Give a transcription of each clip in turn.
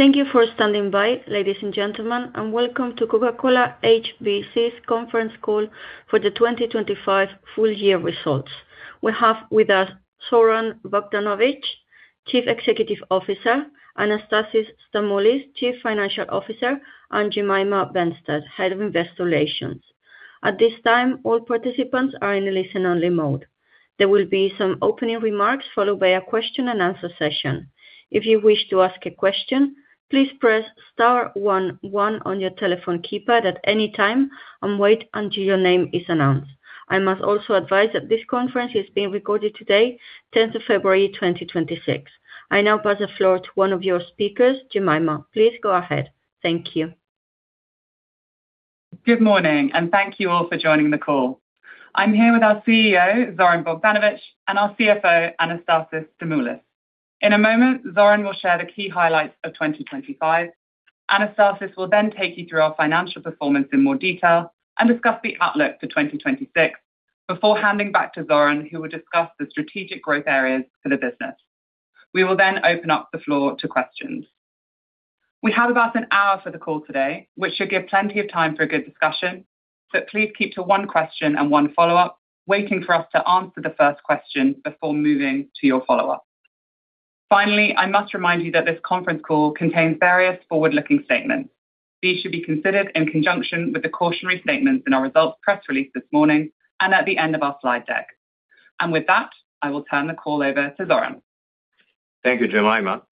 Thank you for standing by, ladies and gentlemen, and welcome to Coca-Cola HBC's conference call for the 2025 full-year results. We have with us Zoran Bogdanovic, Chief Executive Officer; Anastasis Stamoulis, Chief Financial Officer; and Jemima Benstead, Head of Investor Relations. At this time, all participants are in listen-only mode. There will be some opening remarks followed by a question-and-answer session. If you wish to ask a question, please press star one one on your telephone keypad at any time and wait until your name is announced. I must also advise that this conference is being recorded today, 10th of February, 2026. I now pass the floor to one of your speakers, Jemima. Please go ahead. Thank you. Good morning, and thank you all for joining the call. I'm here with our CEO, Zoran Bogdanovic, and our CFO, Anastasis Stamoulis. In a moment, Zoran will share the key highlights of 2025. Anastasis will then take you through our financial performance in more detail and discuss the outlook for 2026 before handing back to Zoran, who will discuss the strategic growth areas for the business. We will then open up the floor to questions. We have about an hour for the call today, which should give plenty of time for a good discussion, but please keep to one question and one follow-up, waiting for us to answer the first question before moving to your follow-up. Finally, I must remind you that this conference call contains various forward-looking statements. These should be considered in conjunction with the cautionary statements in our results press release this morning and at the end of our slide deck. With that, I will turn the call over to Zoran. Thank you, Jemima.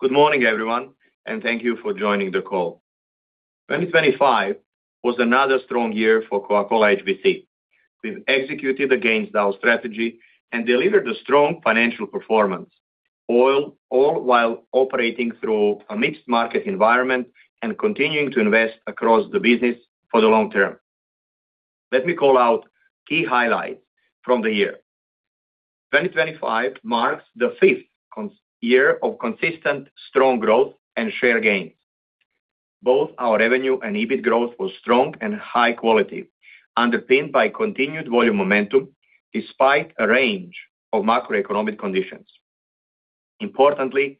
Good morning, everyone, and thank you for joining the call. 2025 was another strong year for Coca-Cola HBC. We've executed against our strategy and delivered a strong financial performance, all while operating through a mixed-market environment and continuing to invest across the business for the long term. Let me call out key highlights from the year. 2025 marks the fifth year of consistent, strong growth and share gains. Both our revenue and EBIT growth were strong and high-quality, underpinned by continued volume momentum despite a range of macroeconomic conditions. Importantly,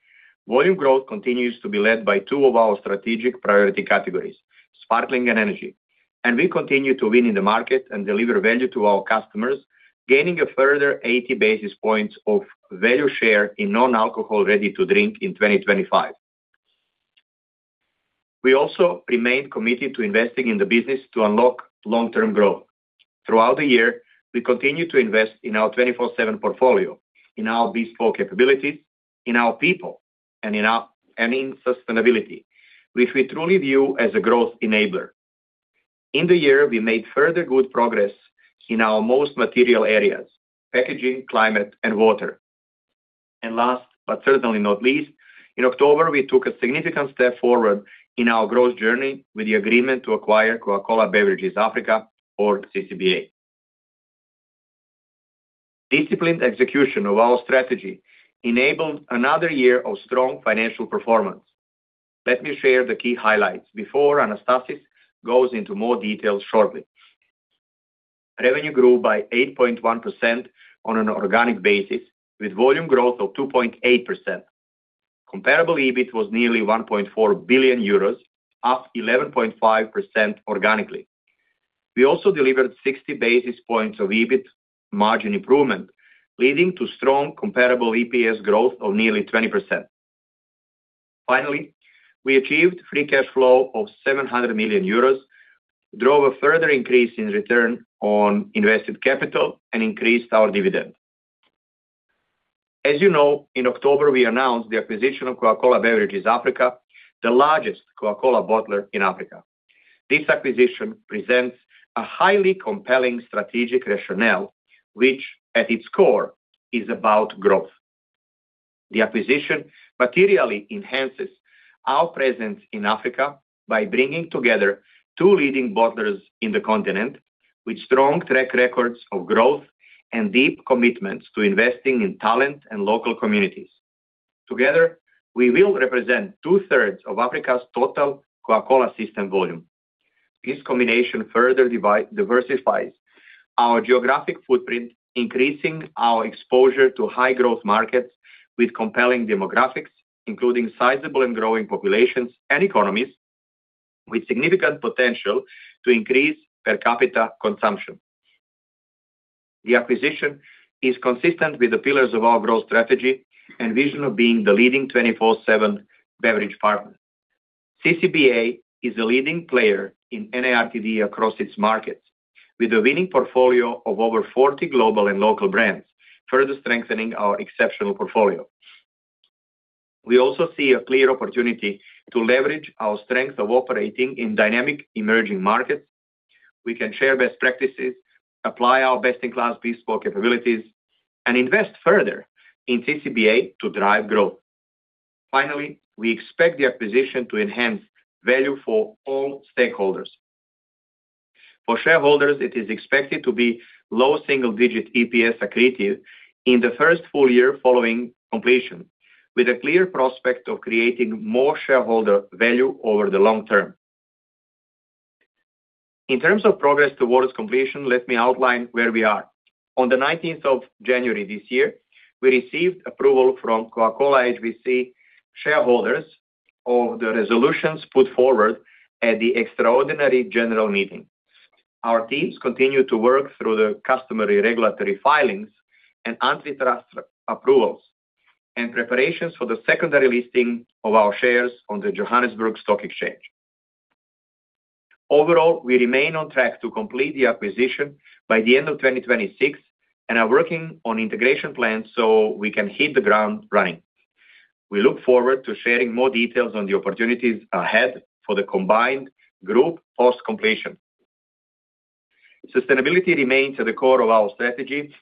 volume growth continues to be led by two of our strategic priority categories, sparkling and energy, and we continue to win in the market and deliver value to our customers, gaining a further 80 basis points of value share in non-alcohol ready-to-drink in 2025. We also remained committed to investing in the business to unlock long-term growth. Throughout the year, we continued to invest in our 24/7 portfolio, in our bespoke capabilities, in our people, and in sustainability, which we truly view as a growth enabler. In the year, we made further good progress in our most material areas: packaging, climate, and water. And last but certainly not least, in October, we took a significant step forward in our growth journey with the agreement to acquire Coca-Cola Beverages Africa, or CCBA. Disciplined execution of our strategy enabled another year of strong financial performance. Let me share the key highlights before Anastasis goes into more details shortly. Revenue grew by 8.1% on an organic basis, with volume growth of 2.8%. Comparable EBIT was nearly 1.4 billion euros, up 11.5% organically. We also delivered 60 basis points of EBIT margin improvement, leading to strong comparable EPS growth of nearly 20%. Finally, we achieved free cash flow of 700 million euros, drove a further increase in return on invested capital, and increased our dividend. As you know, in October, we announced the acquisition of Coca-Cola Beverages Africa, the largest Coca-Cola bottler in Africa. This acquisition presents a highly compelling strategic rationale, which at its core is about growth. The acquisition materially enhances our presence in Africa by bringing together two leading bottlers in the continent, with strong track records of growth and deep commitments to investing in talent and local communities. Together, we will represent two-thirds of Africa's total Coca-Cola system volume. This combination further diversifies our geographic footprint, increasing our exposure to high-growth markets with compelling demographics, including sizable and growing populations and economies, with significant potential to increase per capita consumption. The acquisition is consistent with the pillars of our growth strategy and vision of being the leading 24/7 beverage partner. CCBA is a leading player in NARTD across its markets, with a winning portfolio of over 40 global and local brands, further strengthening our exceptional portfolio. We also see a clear opportunity to leverage our strength of operating in dynamic emerging markets. We can share best practices, apply our best-in-class bespoke capabilities, and invest further in CCBA to drive growth. Finally, we expect the acquisition to enhance value for all stakeholders. For shareholders, it is expected to be low single-digit EPS accretive in the first full year following completion, with a clear prospect of creating more shareholder value over the long term. In terms of progress towards completion, let me outline where we are. On the 19th of January this year, we received approval from Coca-Cola HBC shareholders of the resolutions put forward at the extraordinary general meeting. Our teams continue to work through the customary regulatory filings and antitrust approvals and preparations for the secondary listing of our shares on the Johannesburg Stock Exchange. Overall, we remain on track to complete the acquisition by the end of 2026 and are working on integration plans so we can hit the ground running. We look forward to sharing more details on the opportunities ahead for the combined group post-completion. Sustainability remains at the core of our strategy,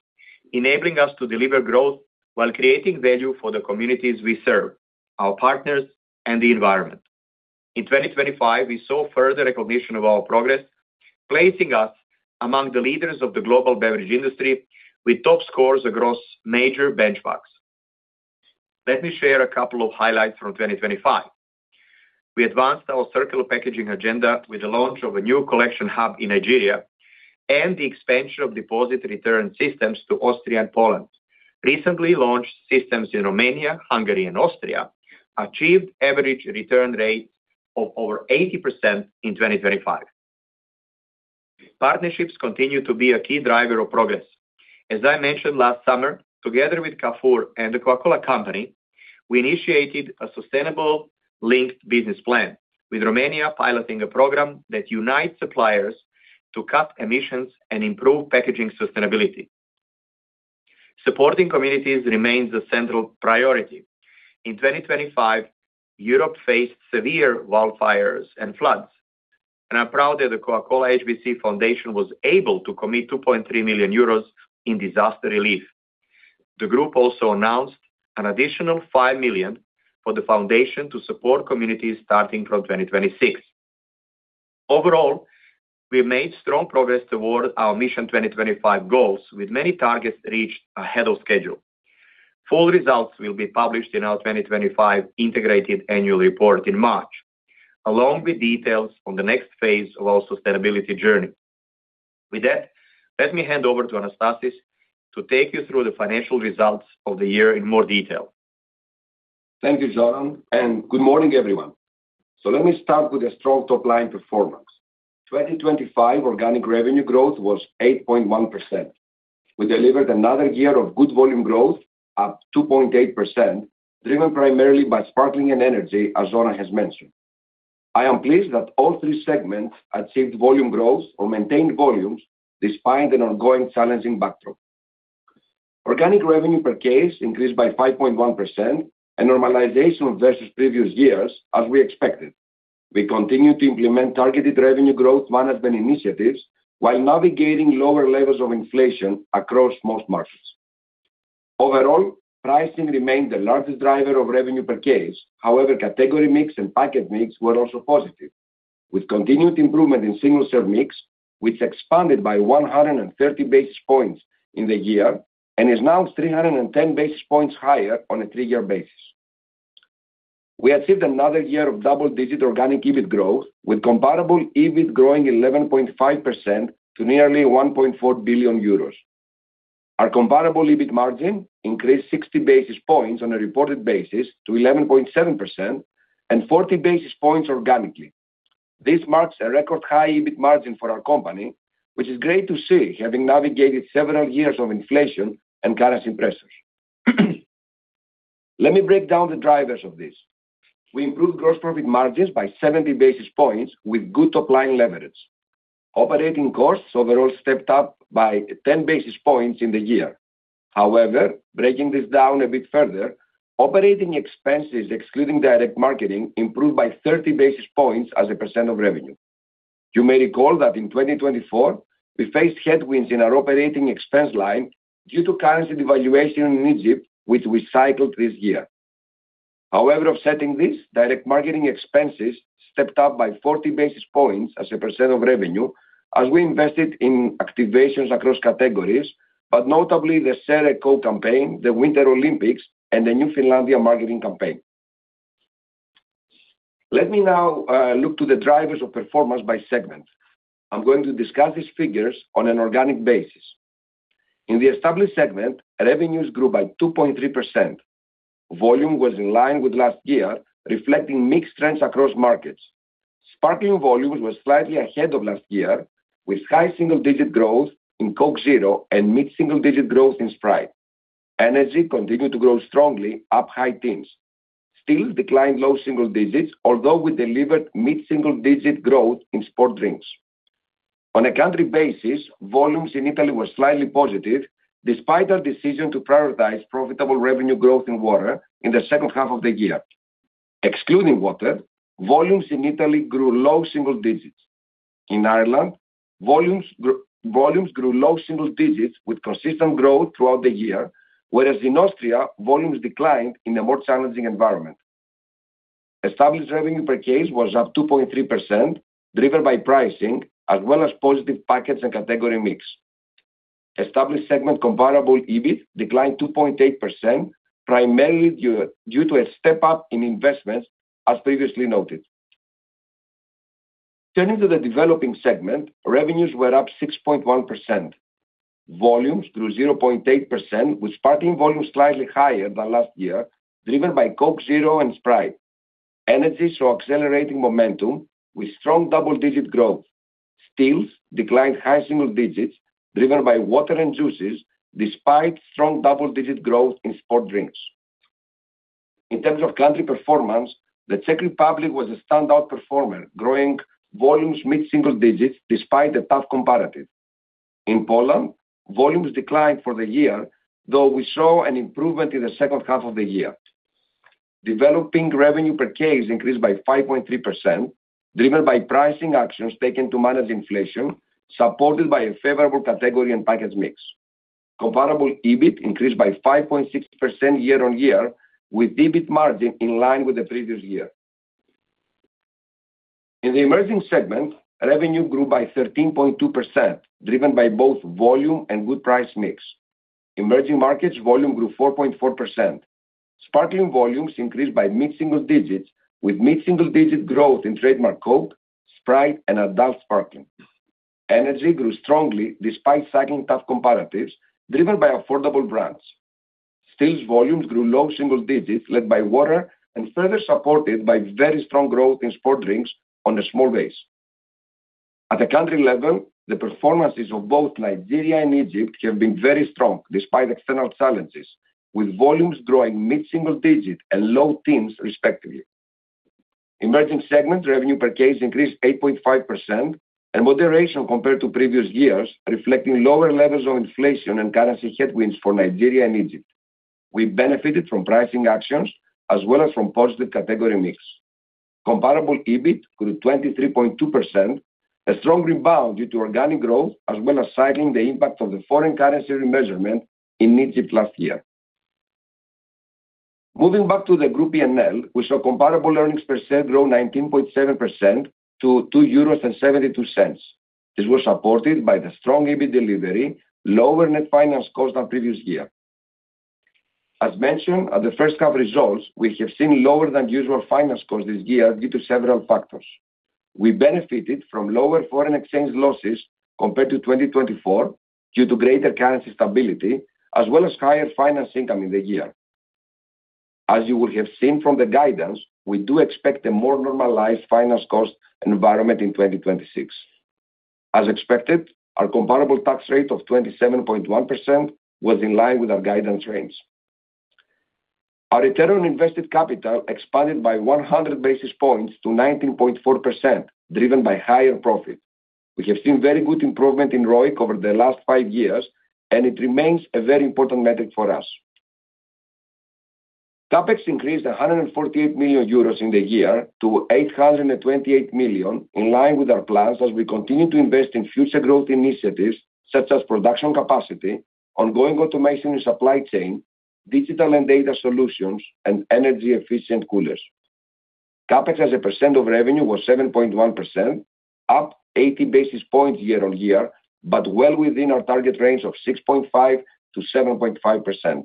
enabling us to deliver growth while creating value for the communities we serve, our partners, and the environment. In 2025, we saw further recognition of our progress, placing us among the leaders of the global beverage industry with top scores across major benchmarks. Let me share a couple of highlights from 2025. We advanced our circular packaging agenda with the launch of a new collection hub in Nigeria and the expansion of deposit return systems to Austria and Poland. Recently launched systems in Romania, Hungary, and Austria achieved average return rates of over 80% in 2025. Partnerships continue to be a key driver of progress. As I mentioned last summer, together with Carrefour and the Coca-Cola Company, we initiated a sustainability-linked business plan, with Romania piloting a program that unites suppliers to cut emissions and improve packaging sustainability. Supporting communities remains a central priority. In 2025, Europe faced severe wildfires and floods, and I'm proud that the Coca-Cola HBC Foundation was able to commit 2.3 million euros in disaster relief. The group also announced an additional 5 million for the foundation to support communities starting from 2026. Overall, we made strong progress toward our Mission 2025 goals, with many targets reached ahead of schedule. Full results will be published in our 2025 integrated annual report in March, along with details on the next phase of our sustainability journey. With that, let me hand over to Anastasis to take you through the financial results of the year in more detail. Thank you, Zoran, and good morning, everyone. So let me start with a strong top-line performance. 2025 organic revenue growth was 8.1%. We delivered another year of good volume growth, up 2.8%, driven primarily by sparkling and energy, as Zoran has mentioned. I am pleased that all three segments achieved volume growth or maintained volumes despite an ongoing challenging backdrop. Organic revenue per case increased by 5.1%, a normalization versus previous years, as we expected. We continue to implement targeted revenue growth management initiatives while navigating lower levels of inflation across most markets. Overall, pricing remained the largest driver of revenue per case. However, category mix and package mix were also positive, with continued improvement in single-serve mix, which expanded by 130 basis points in the year and is now 310 basis points higher on a three-year basis. We achieved another year of double-digit organic EBIT growth, with comparable EBIT growing 11.5% to nearly 1.4 billion euros. Our comparable EBIT margin increased 60 basis points on a reported basis to 11.7% and 40 basis points organically. This marks a record high EBIT margin for our company, which is great to see, having navigated several years of inflation and currency pressures. Let me break down the drivers of this. We improved gross profit margins by 70 basis points with good top-line leverage. Operating costs overall stepped up by 10 basis points in the year. However, breaking this down a bit further, operating expenses excluding direct marketing improved by 30 basis points as a percent of revenue. You may recall that in 2024, we faced headwinds in our operating expense line due to currency devaluation in Egypt, which we cycled this year. However, offsetting this, direct marketing expenses stepped up by 40 basis points as a percent of revenue as we invested in activations across categories, but notably the Share a Coke campaign, the Winter Olympics, and the new Finlandia marketing campaign. Let me now look to the drivers of performance by segment. I'm going to discuss these figures on an organic basis. In the established segment, revenues grew by 2.3%. Volume was in line with last year, reflecting mixed trends across markets. Sparkling volumes were slightly ahead of last year, with high single-digit growth in Coke Zero and mid-single-digit growth in Sprite. Energy continued to grow strongly, up high teens. Still declined low single digits, although we delivered mid-single-digit growth in sports drinks. On a country basis, volumes in Italy were slightly positive despite our decision to prioritize profitable revenue growth in water in the second half of the year. Excluding water, volumes in Italy grew low single digits. In Ireland, volumes grew low single digits with consistent growth throughout the year, whereas in Austria, volumes declined in a more challenging environment. Established revenue per case was up 2.3%, driven by pricing as well as positive pack and category mix. Established segment comparable EBIT declined 2.8%, primarily due to a step-up in investments, as previously noted. Turning to the developing segment, revenues were up 6.1%. Volumes grew 0.8%, with sparkling volumes slightly higher than last year, driven by Coke Zero and Sprite. Energy saw accelerating momentum with strong double-digit growth. Still declined high single digits, driven by water and juices despite strong double-digit growth in sports drinks. In terms of country performance, the Czech Republic was a standout performer, growing volumes mid-single digits despite a tough comparative. In Poland, volumes declined for the year, though we saw an improvement in the second half of the year. Developing revenue per case increased by 5.3%, driven by pricing actions taken to manage inflation, supported by a favorable category and package mix. Comparable EBIT increased by 5.6% year-on-year, with EBIT margin in line with the previous year. In the emerging segment, revenue grew by 13.2%, driven by both volume and good price mix. Emerging markets volume grew 4.4%. Sparkling volumes increased by mid-single digits, with mid-single digit growth in trademark Coke, Sprite, and adult sparkling. Energy grew strongly despite cycling tough comparatives, driven by affordable brands. Still volumes grew low single digits, led by water and further supported by very strong growth in sports drinks on a small base. At the country level, the performances of both Nigeria and Egypt have been very strong despite external challenges, with volumes growing mid-single digit and low teens, respectively. Emerging segment revenue per case increased 8.5%, a moderation compared to previous years, reflecting lower levels of inflation and currency headwinds for Nigeria and Egypt. We benefited from pricing actions as well as from positive category mix. Comparable EBIT grew 23.2%, a strong rebound due to organic growth as well as cycling the impact of the foreign currency remeasurement in Egypt last year. Moving back to the group P&L, we saw comparable earnings per share grow 19.7% to 2.72 euros. This was supported by the strong EBIT delivery, lower net finance cost than previous year. As mentioned at the first half results, we have seen lower than usual finance costs this year due to several factors. We benefited from lower foreign exchange losses compared to 2024 due to greater currency stability as well as higher finance income in the year. As you will have seen from the guidance, we do expect a more normalized finance cost environment in 2026. As expected, our comparable tax rate of 27.1% was in line with our guidance range. Our return on invested capital expanded by 100 basis points to 19.4%, driven by higher profit. We have seen very good improvement in ROIC over the last five years, and it remains a very important metric for us. CAPEX increased 148 million euros in the year to 828 million, in line with our plans as we continue to invest in future growth initiatives such as production capacity, ongoing automation in supply chain, digital and data solutions, and energy-efficient coolers. CAPEX as a percent of revenue was 7.1%, up 80 basis points year-on-year, but well within our target range of 6.5%-7.5%.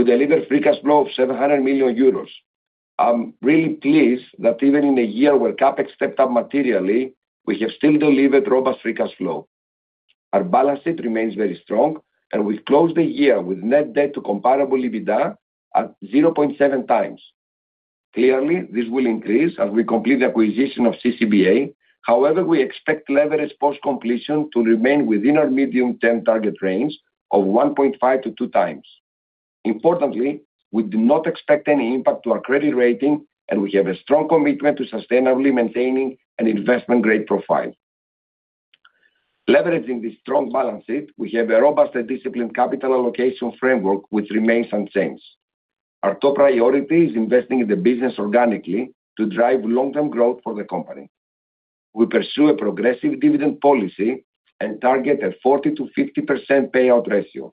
We deliver free cash flow of 700 million euros. I'm really pleased that even in a year where CAPEX stepped up materially, we have still delivered robust free cash flow. Our balance sheet remains very strong, and we closed the year with net debt to comparable EBITDA at 0.7 times. Clearly, this will increase as we complete the acquisition of CCBA. However, we expect leverage post-completion to remain within our medium-term target range of 1.5-2 times. Importantly, we do not expect any impact to our credit rating, and we have a strong commitment to sustainably maintaining an investment-grade profile. Leveraging this strong balance sheet, we have a robust and disciplined capital allocation framework, which remains unchanged. Our top priority is investing in the business organically to drive long-term growth for the company. We pursue a progressive dividend policy and target a 40%-50% payout ratio.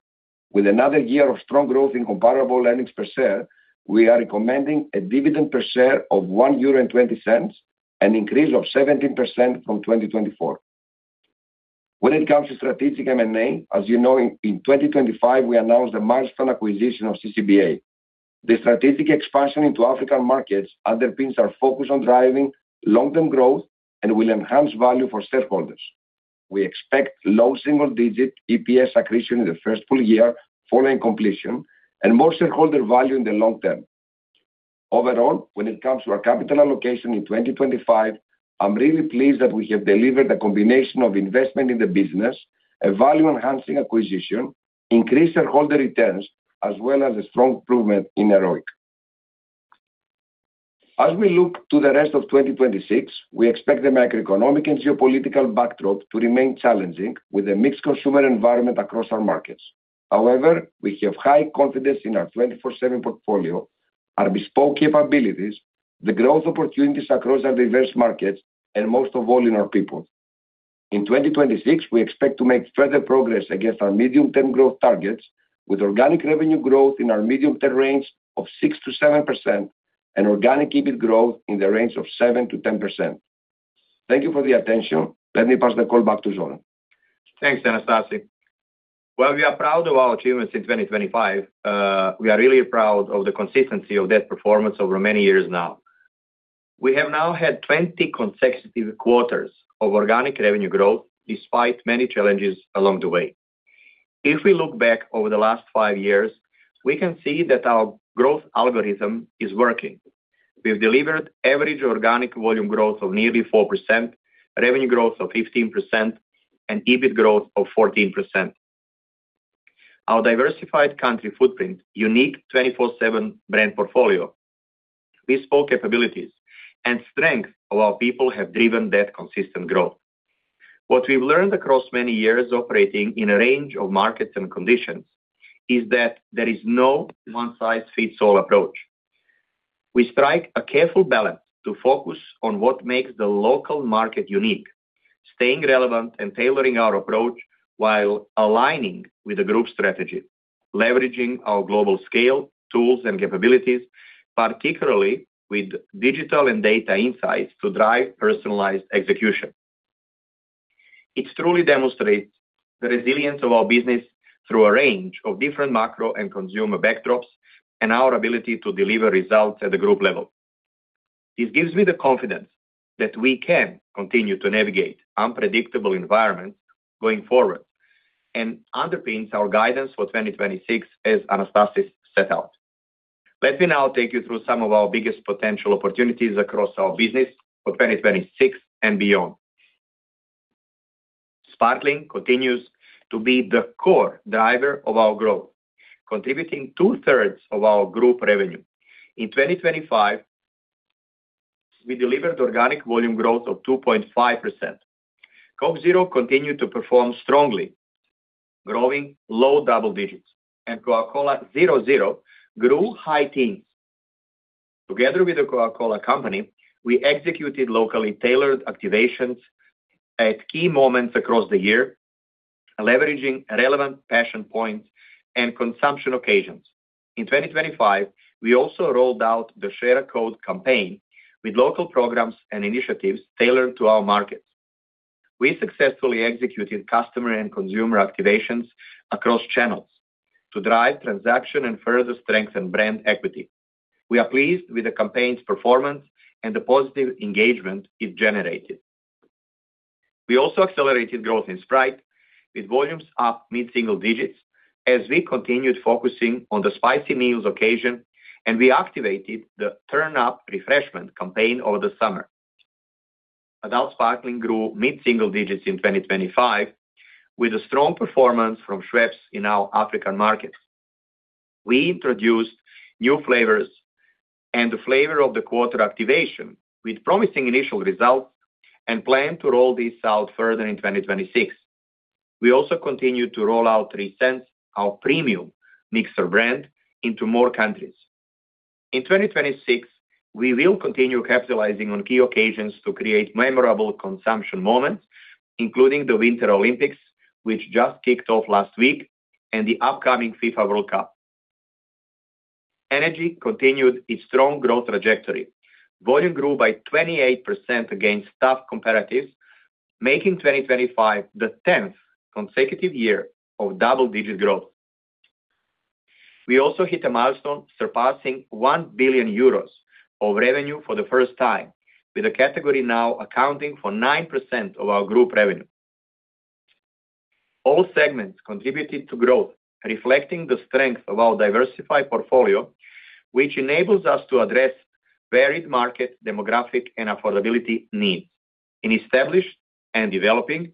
With another year of strong growth in comparable earnings per share, we are recommending a dividend per share of 1.20 euro, an increase of 17% from 2024. When it comes to strategic M&A, as you know, in 2025, we announced a milestone acquisition of CCBA. The strategic expansion into African markets underpins our focus on driving long-term growth and will enhance value for shareholders. We expect low single-digit EPS accretion in the first full year following completion and more shareholder value in the long term. Overall, when it comes to our capital allocation in 2025, I'm really pleased that we have delivered a combination of investment in the business, a value-enhancing acquisition, increased shareholder returns, as well as a strong improvement in ROIC. As we look to the rest of 2026, we expect the macroeconomic and geopolitical backdrop to remain challenging with a mixed consumer environment across our markets. However, we have high confidence in our 24/7 portfolio, our bespoke capabilities, the growth opportunities across our diverse markets, and most of all in our people. In 2026, we expect to make further progress against our medium-term growth targets, with organic revenue growth in our medium-term range of 6%-7% and organic EBIT growth in the range of 7%-10%. Thank you for the attention. Let me pass the call back to Zoran. Thanks, Anastasis. Well, we are proud of our achievements in 2025. We are really proud of the consistency of that performance over many years now. We have now had 20 consecutive quarters of organic revenue growth despite many challenges along the way. If we look back over the last five years, we can see that our growth algorithm is working. We've delivered average organic volume growth of nearly 4%, revenue growth of 15%, and EBIT growth of 14%. Our diversified country footprint, unique 24/7 brand portfolio, bespoke capabilities, and strength of our people have driven that consistent growth. What we've learned across many years operating in a range of markets and conditions is that there is no one-size-fits-all approach. We strike a careful balance to focus on what makes the local market unique, staying relevant and tailoring our approach while aligning with the group strategy, leveraging our global scale, tools, and capabilities, particularly with digital and data insights to drive personalized execution. It truly demonstrates the resilience of our business through a range of different macro and consumer backdrops and our ability to deliver results at the group level. This gives me the confidence that we can continue to navigate unpredictable environments going forward and underpins our guidance for 2026, as Anastasis set out. Let me now take you through some of our biggest potential opportunities across our business for 2026 and beyond. Sparkling continues to be the core driver of our growth, contributing two-thirds of our group revenue. In 2025, we delivered organic volume growth of 2.5%. Coke Zero continued to perform strongly, growing low double digits, and Coca-Cola Zero Zero grew high teens. Together with The Coca-Cola Company, we executed locally tailored activations at key moments across the year, leveraging relevant passion points and consumption occasions. In 2025, we also rolled out the Share a Coke campaign with local programs and initiatives tailored to our markets. We successfully executed customer and consumer activations across channels to drive transaction and further strengthen brand equity. We are pleased with the campaign's performance and the positive engagement it generated. We also accelerated growth in Sprite with volumes up mid-single digits as we continued focusing on the spicy meals occasion, and we activated the Turn Up Refreshment campaign over the summer. Adult sparkling grew mid-single digits in 2025 with a strong performance from Schweppes in our African markets. We introduced new flavors and the Flavor of the Quarter activation with promising initial results and plan to roll this out further in 2026. We also continue to roll out Three Cents, our premium mixer brand, into more countries. In 2026, we will continue capitalizing on key occasions to create memorable consumption moments, including the Winter Olympics, which just kicked off last week, and the upcoming FIFA World Cup. Energy continued its strong growth trajectory. Volume grew by 28% against tough comparatives, making 2025 the 10th consecutive year of double-digit growth. We also hit a milestone surpassing 1 billion euros of revenue for the first time, with the category now accounting for 9% of our group revenue. All segments contributed to growth, reflecting the strength of our diversified portfolio, which enables us to address varied market, demographic, and affordability needs. In established and developing,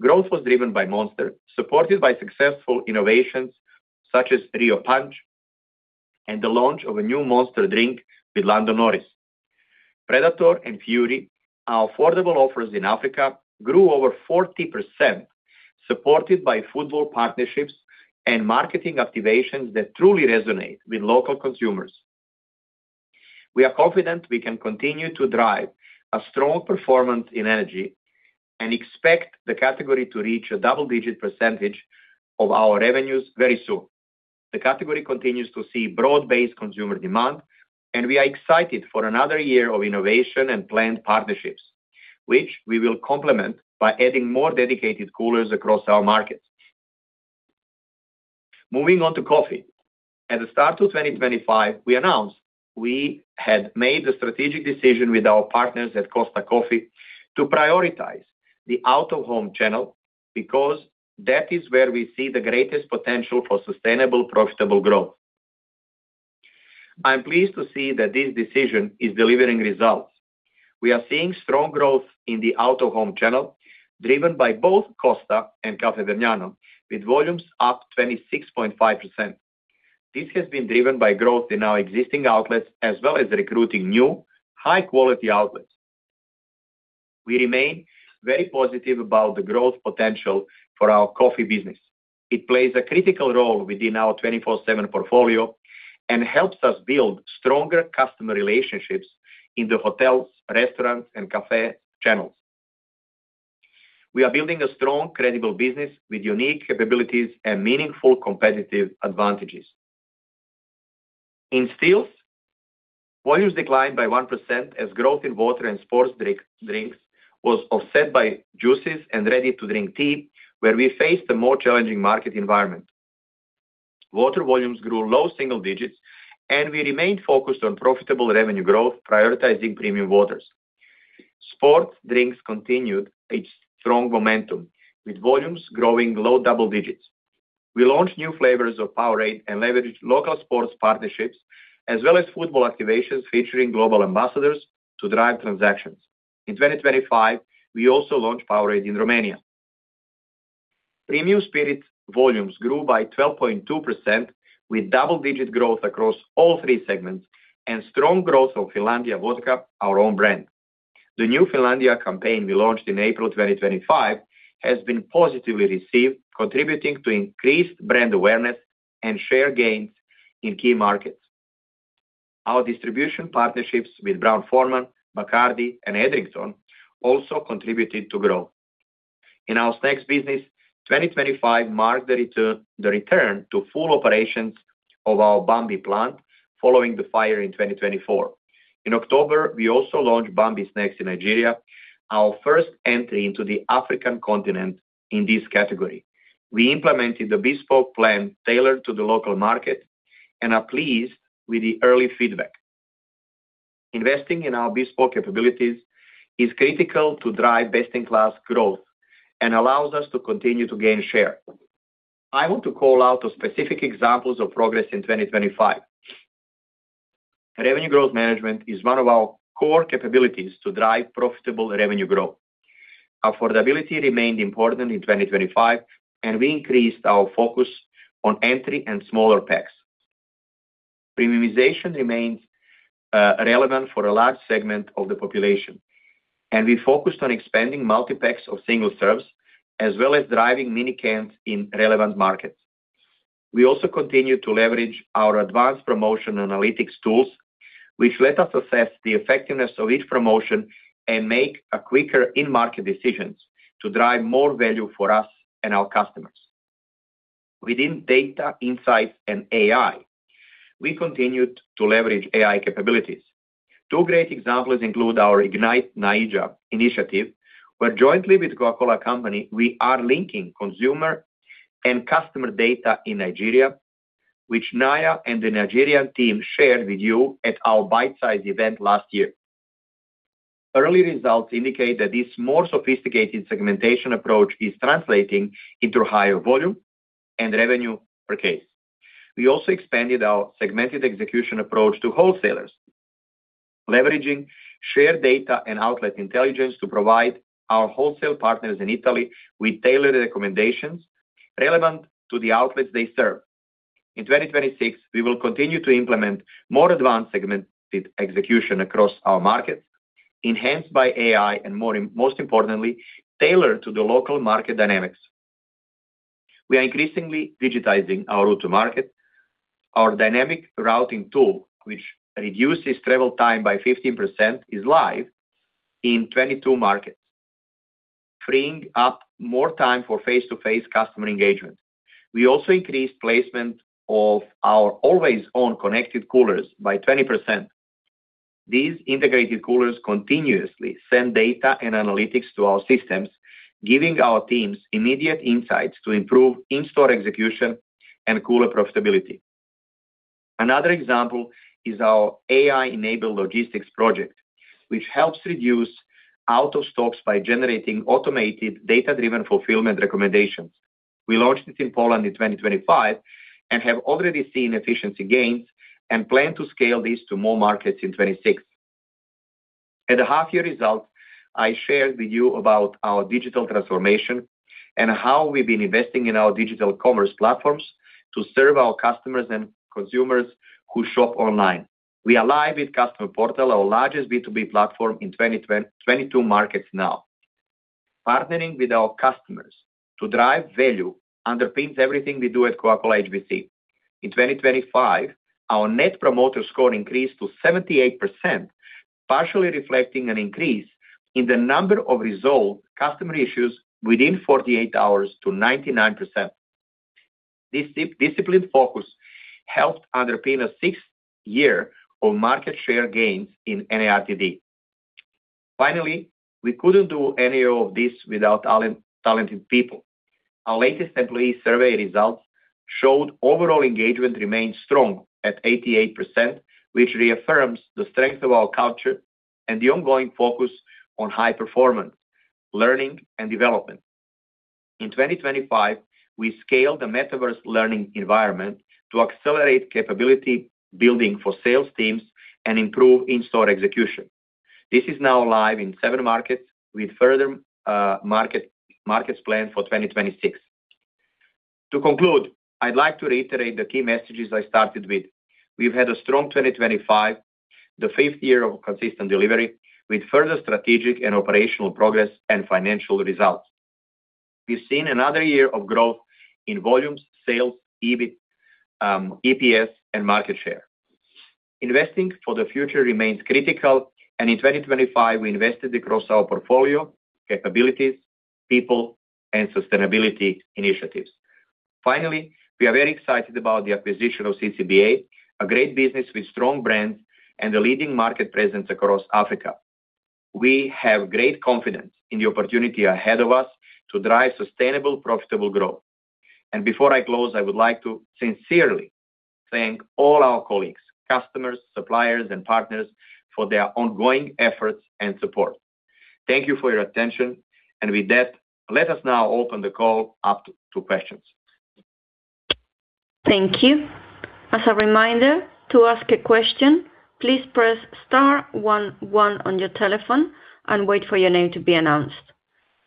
growth was driven by Monster, supported by successful innovations such as Rio Punch and the launch of a new Monster drink with Lando Norris. Predator and Fury, our affordable offers in Africa, grew over 40%, supported by football partnerships and marketing activations that truly resonate with local consumers. We are confident we can continue to drive a strong performance in energy and expect the category to reach a double-digit percentage of our revenues very soon. The category continues to see broad-based consumer demand, and we are excited for another year of innovation and planned partnerships, which we will complement by adding more dedicated coolers across our markets. Moving on to coffee. At the start of 2025, we announced we had made the strategic decision with our partners at Costa Coffee to prioritize the out-of-home channel because that is where we see the greatest potential for sustainable, profitable growth. I'm pleased to see that this decision is delivering results. We are seeing strong growth in the out-of-home channel driven by both Costa and Caffè Vergnano with volumes up 26.5%. This has been driven by growth in our existing outlets as well as recruiting new, high-quality outlets. We remain very positive about the growth potential for our coffee business. It plays a critical role within our 24/7 portfolio and helps us build stronger customer relationships in the hotels, restaurants, and café channels. We are building a strong, credible business with unique capabilities and meaningful competitive advantages. In stills, volumes declined by 1% as growth in water and sports drinks was offset by juices and ready-to-drink tea, where we faced a more challenging market environment. Water volumes grew low single digits, and we remained focused on profitable revenue growth, prioritizing premium waters. Sports drinks continued its strong momentum with volumes growing low double digits. We launched new flavors of Powerade and leveraged local sports partnerships as well as football activations featuring global ambassadors to drive transactions. In 2025, we also launched Powerade in Romania. Premium spirit volumes grew by 12.2% with double-digit growth across all three segments and strong growth of Finlandia Vodka, our own brand. The new Finlandia campaign we launched in April 2025 has been positively received, contributing to increased brand awareness and share gains in key markets. Our distribution partnerships with Brown-Forman, Bacardi, and Edrington also contributed to grow. In our snacks business, 2025 marked the return to full operations of our Bambi plant following the fire in 2024. In October, we also launched Bambi Snacks in Nigeria, our first entry into the African continent in this category. We implemented the bespoke plan tailored to the local market and are pleased with the early feedback. Investing in our bespoke capabilities is critical to drive best-in-class growth and allows us to continue to gain share. I want to call out specific examples of progress in 2025. Revenue growth management is one of our core capabilities to drive profitable revenue growth. Affordability remained important in 2025, and we increased our focus on entry and smaller packs. Premiumization remained relevant for a large segment of the population, and we focused on expanding multi-packs of single serves as well as driving mini cans in relevant markets. We also continue to leverage our advanced promotion analytics tools, which let us assess the effectiveness of each promotion and make quicker in-market decisions to drive more value for us and our customers. Within data insights and AI, we continued to leverage AI capabilities. Two great examples include our Ignite Naija initiative, where jointly with Coca-Cola Company, we are linking consumer and customer data in Nigeria, which Nayer and the Nigerian team shared with you at our bite-sized event last year. Early results indicate that this more sophisticated segmentation approach is translating into higher volume and revenue per case. We also expanded our segmented execution approach to wholesalers, leveraging shared data and outlet intelligence to provide our wholesale partners in Italy with tailored recommendations relevant to the outlets they serve. In 2026, we will continue to implement more advanced segmented execution across our markets, enhanced by AI and, most importantly, tailored to the local market dynamics. We are increasingly digitizing our route to market. Our dynamic routing tool, which reduces travel time by 15%, is live in 22 markets, freeing up more time for face-to-face customer engagement. We also increased placement of our always-on connected coolers by 20%. These integrated coolers continuously send data and analytics to our systems, giving our teams immediate insights to improve in-store execution and cooler profitability. Another example is our AI-enabled logistics project, which helps reduce out-of-stocks by generating automated data-driven fulfillment recommendations. We launched it in Poland in 2025 and have already seen efficiency gains and plan to scale this to more markets in 2026. At the half-year results, I shared with you about our digital transformation and how we've been investing in our digital commerce platforms to serve our customers and consumers who shop online. We are live with Customer Portal, our largest B2B platform in 22 markets now. Partnering with our customers to drive value underpins everything we do at Coca-Cola HBC. In 2025, our Net Promoter Score increased to 78%, partially reflecting an increase in the number of resolved customer issues within 48 hours to 99%. This disciplined focus helped underpin a sixth year of market share gains in NARTD. Finally, we couldn't do any of this without talented people. Our latest employee survey results showed overall engagement remained strong at 88%, which reaffirms the strength of our culture and the ongoing focus on high performance, learning, and development. In 2025, we scaled the metaverse learning environment to accelerate capability building for sales teams and improve in-store execution. This is now live in seven markets with further markets planned for 2026. To conclude, I'd like to reiterate the key messages I started with. We've had a strong 2025, the fifth year of consistent delivery with further strategic and operational progress and financial results. We've seen another year of growth in volumes, sales, EBIT, EPS, and market share. Investing for the future remains critical, and in 2025, we invested across our portfolio, capabilities, people, and sustainability initiatives. Finally, we are very excited about the acquisition of CCBA, a great business with strong brands and a leading market presence across Africa. We have great confidence in the opportunity ahead of us to drive sustainable, profitable growth. Before I close, I would like to sincerely thank all our colleagues, customers, suppliers, and partners for their ongoing efforts and support. Thank you for your attention, and with that, let us now open the call up to questions. Thank you. As a reminder, to ask a question, please press star one one on your telephone and wait for your name to be announced.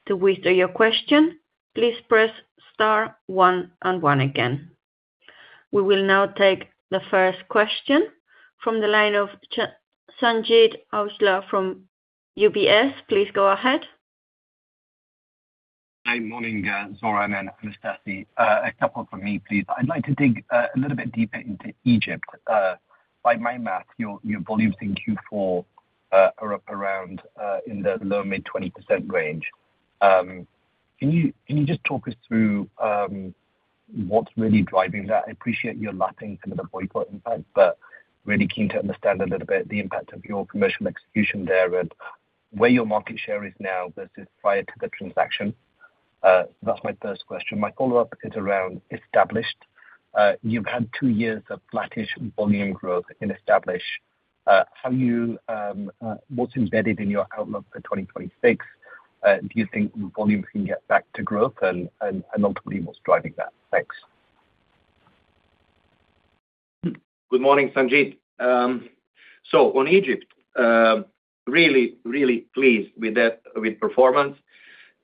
To whisper your question, please press star one one again. We will now take the first question from the line of Sanjeet Aujla from UBS. Please go ahead. Hi, morning, Zoran and Anastasis. A couple from me, please. I'd like to dig a little bit deeper into Egypt. By my math, your volumes in Q4 are up around in the low-mid-20% range. Can you just talk us through what's really driving that? I appreciate you're lapping some of the boycott impact, but I'm really keen to understand a little bit the impact of your commercial execution there and where your market share is now versus prior to the transaction. That's my first question. My follow-up is around established. You've had two years of flattish volume growth in established. What's embedded in your outlook for 2026? Do you think volumes can get back to growth, and ultimately, what's driving that? Thanks. Good morning, Sanjeet. So on Egypt, really, really pleased with performance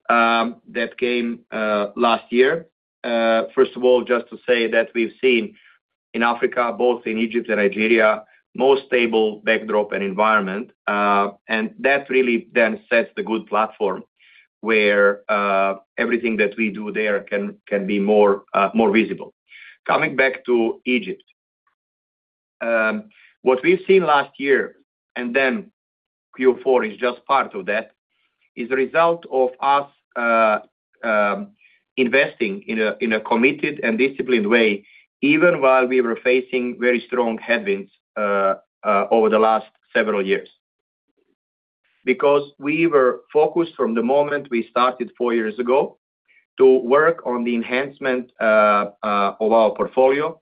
that came last year. First of all, just to say that we've seen in Africa, both in Egypt and Nigeria, a more stable backdrop and environment, and that really then sets the good platform where everything that we do there can be more visible. Coming back to Egypt, what we've seen last year, and then Q4 is just part of that, is the result of us investing in a committed and disciplined way, even while we were facing very strong headwinds over the last several years. Because we were focused from the moment we started four years ago to work on the enhancement of our portfolio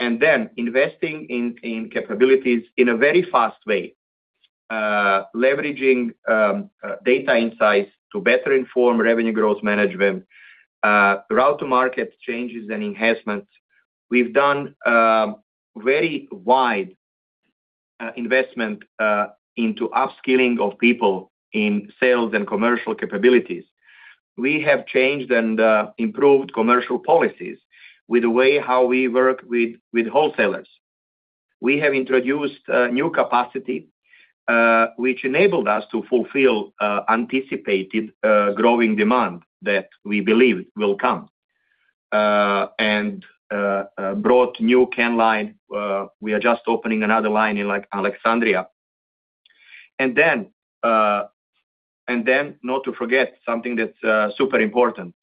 and then investing in capabilities in a very fast way, leveraging data insights to better inform revenue growth management, route-to-market changes, and enhancements. We've done very wide investment into upskilling of people in sales and commercial capabilities. We have changed and improved commercial policies with the way how we work with wholesalers. We have introduced new capacity, which enabled us to fulfill anticipated growing demand that we believed will come and brought new can lines. We are just opening another line in Alexandria. And then, not to forget something that's super important,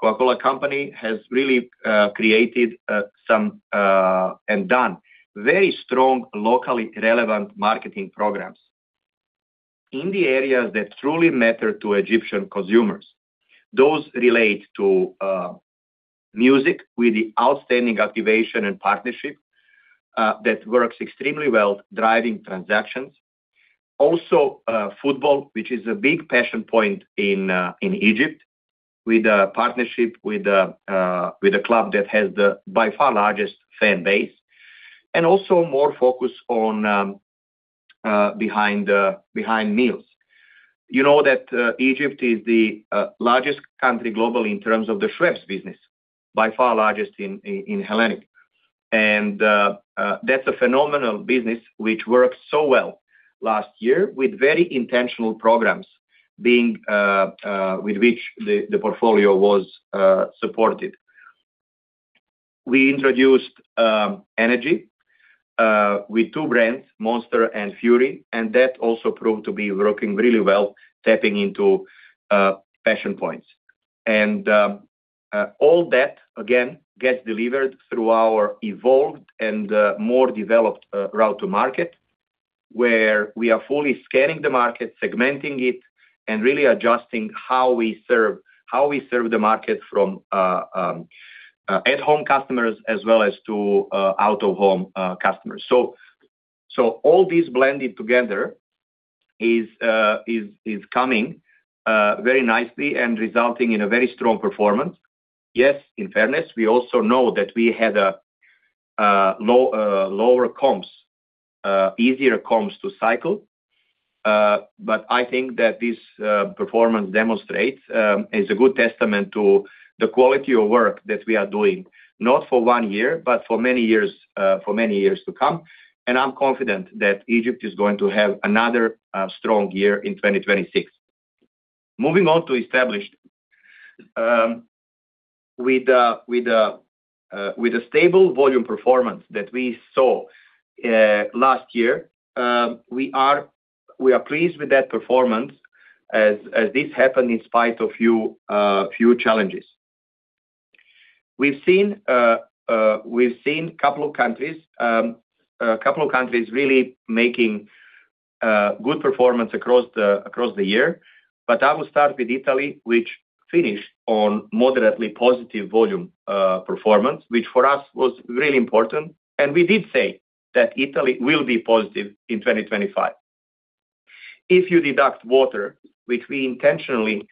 Coca-Cola Company has really created and done very strong, locally relevant marketing programs in the areas that truly matter to Egyptian consumers. Those relate to music with the outstanding activation and partnership that works extremely well driving transactions, also football, which is a big passion point in Egypt with a partnership with a club that has the by far largest fan base, and also more focus behind meals. You know that Egypt is the largest country globally in terms of the Schweppes business, by far the largest in Hellenic. That's a phenomenal business which worked so well last year with very intentional programs with which the portfolio was supported. We introduced energy with two brands, Monster and Fury, and that also proved to be working really well, tapping into passion points. All that, again, gets delivered through our evolved and more developed route-to-market, where we are fully scanning the market, segmenting it, and really adjusting how we serve the market from at-home customers as well as to out-of-home customers. All this blended together is coming very nicely and resulting in a very strong performance. Yes, in fairness, we also know that we had lower comms, easier comms to cycle, but I think that this performance demonstrates is a good testament to the quality of work that we are doing, not for 1 year, but for many years to come. I'm confident that Egypt is going to have another strong year in 2026. Moving on to established, with a stable volume performance that we saw last year, we are pleased with that performance as this happened in spite of a few challenges. We've seen a couple of countries really making good performance across the year, but I will start with Italy, which finished on moderately positive volume performance, which for us was really important, and we did say that Italy will be positive in 2025. If you deduct water, which we intentionally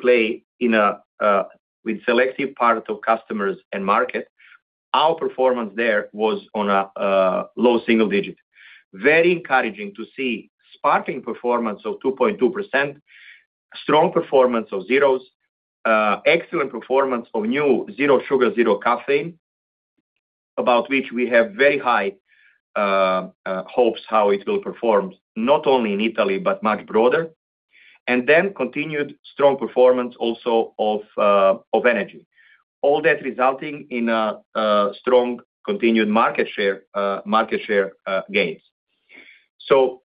play with a selective part of customers and market, our performance there was on a low single digit. Very encouraging to see sparkling performance of 2.2%, strong performance of zeros, excellent performance of new Zero Sugar, Zero Caffeine, about which we have very high hopes how it will perform not only in Italy, but much broader, and then continued strong performance also of energy, all that resulting in strong continued market share gains. So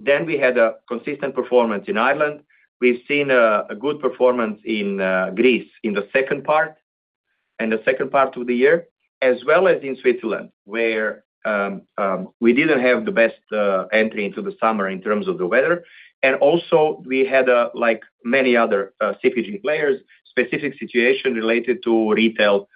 then we had a consistent performance in Ireland. We've seen a good performance in Greece in the second part of the year, as well as in Switzerland, where we didn't have the best entry into the summer in terms of the weather. And also, we had, like many other CPG players, a specific situation related to retail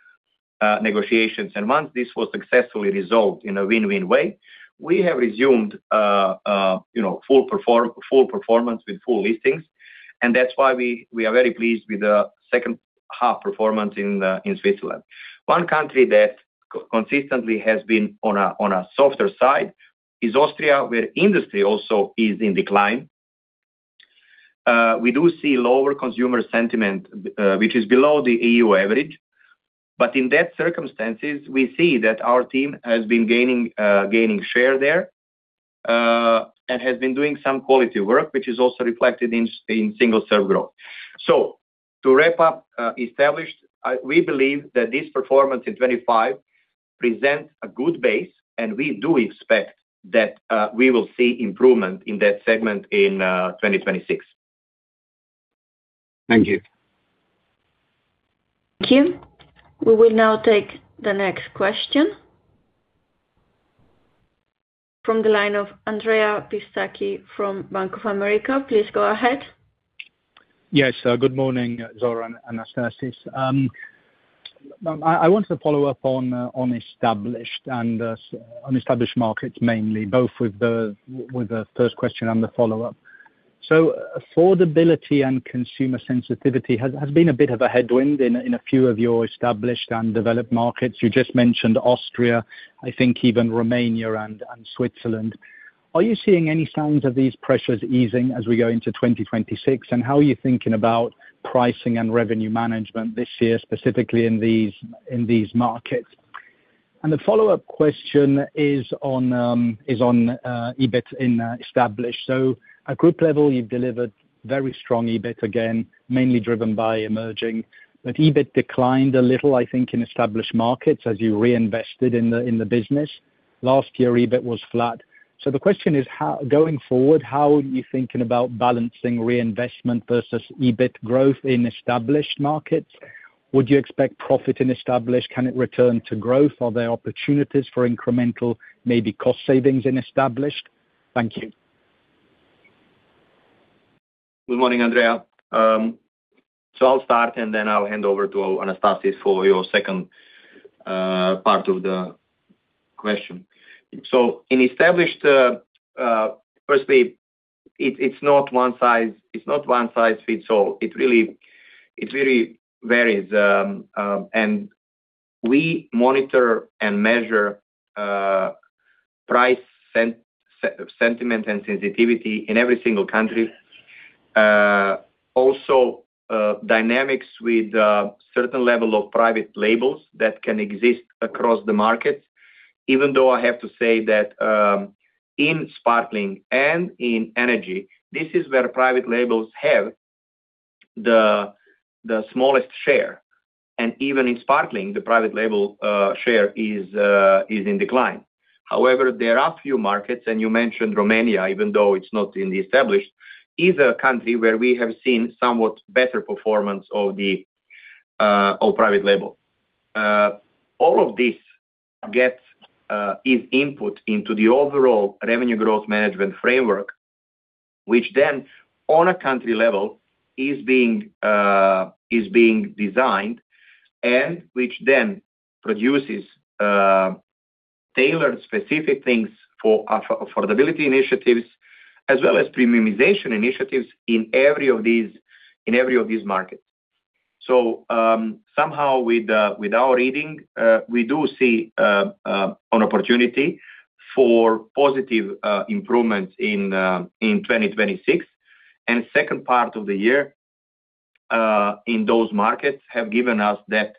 negotiations. Once this was successfully resolved in a win-win way, we have resumed full performance with full listings. That's why we are very pleased with the second-half performance in Switzerland. One country that consistently has been on a softer side is Austria, where industry also is in decline. We do see lower consumer sentiment, which is below the EU average, but in that circumstances, we see that our team has been gaining share there and has been doing some quality work, which is also reflected in single-serve growth. So to wrap up established, we believe that this performance in 2025 presents a good base, and we do expect that we will see improvement in that segment in 2026. Thank you. Thank you. We will now take the next question from the line of Andrea Pistacchi from Bank of America. Please go ahead. Yes, good morning, Zoran and Anastasis. I wanted to follow up on established markets mainly, both with the first question and the follow-up. So affordability and consumer sensitivity has been a bit of a headwind in a few of your established and developed markets. You just mentioned Austria, I think even Romania and Switzerland. Are you seeing any signs of these pressures easing as we go into 2026, and how are you thinking about pricing and revenue management this year, specifically in these markets? And the follow-up question is on EBIT in established. So at group level, you've delivered very strong EBIT again, mainly driven by emerging, but EBIT declined a little, I think, in established markets as you reinvested in the business. Last year, EBIT was flat. So the question is, going forward, how are you thinking about balancing reinvestment versus EBIT growth in established markets? Would you expect profit in established? Can it return to growth? Are there opportunities for incremental, maybe cost savings in established? Thank you. Good morning, Andrea. So I'll start, and then I'll hand over to Anastasis for your second part of the question. So in established, firstly, it's not one-size-fits-all. It really varies. And we monitor and measure price sentiment and sensitivity in every single country, also dynamics with a certain level of private labels that can exist across the markets. Even though I have to say that in sparkling and in energy, this is where private labels have the smallest share. And even in sparkling, the private label share is in decline. However, there are a few markets, and you mentioned Romania, even though it's not in the established, is a country where we have seen somewhat better performance of private label. All of this is input into the overall Revenue Growth Management framework, which then, on a country level, is being designed and which then produces tailored, specific things for affordability initiatives as well as premiumization initiatives in every of these markets. So somehow, with our reading, we do see an opportunity for positive improvements in 2026. And the second part of the year in those markets have given us that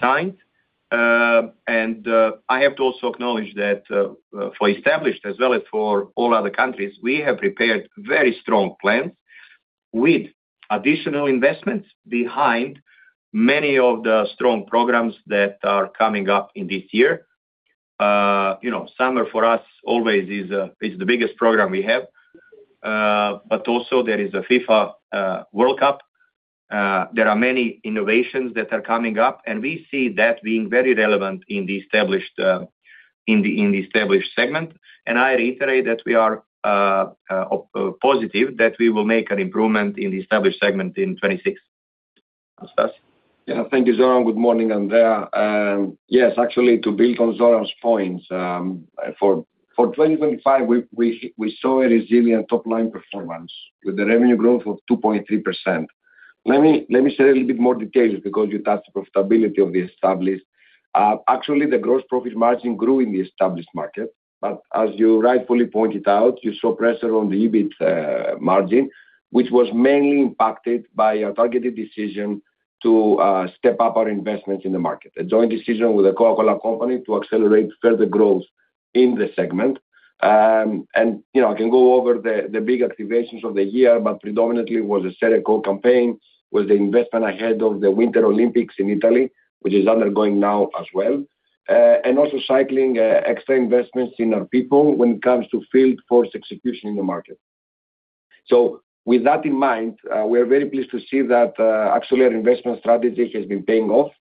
sign. And I have to also acknowledge that for established as well as for all other countries, we have prepared very strong plans with additional investments behind many of the strong programs that are coming up in this year. Summer, for us, always is the biggest program we have, but also there is a FIFA World Cup. There are many innovations that are coming up, and we see that being very relevant in the established segment. And I reiterate that we are positive that we will make an improvement in the established segment in 2026. Anastasis? Yeah, thank you, Zoran. Good morning, Andrea. Yes, actually, to build on Zoran's points, for 2025, we saw a resilient top-line performance with a revenue growth of 2.3%. Let me say a little bit more details because you touched the profitability of the established. Actually, the gross profit margin grew in the established market, but as you rightfully pointed out, you saw pressure on the EBIT margin, which was mainly impacted by our targeted decision to step up our investments in the market, a joint decision with the Coca-Cola Company to accelerate further growth in the segment. I can go over the big activations of the year, but predominantly it was the Share a Coke campaign, was the investment ahead of the Winter Olympics in Italy, which is undergoing now as well, and also cycling extra investments in our people when it comes to field force execution in the market. So with that in mind, we are very pleased to see that, actually, our investment strategy has been paying off.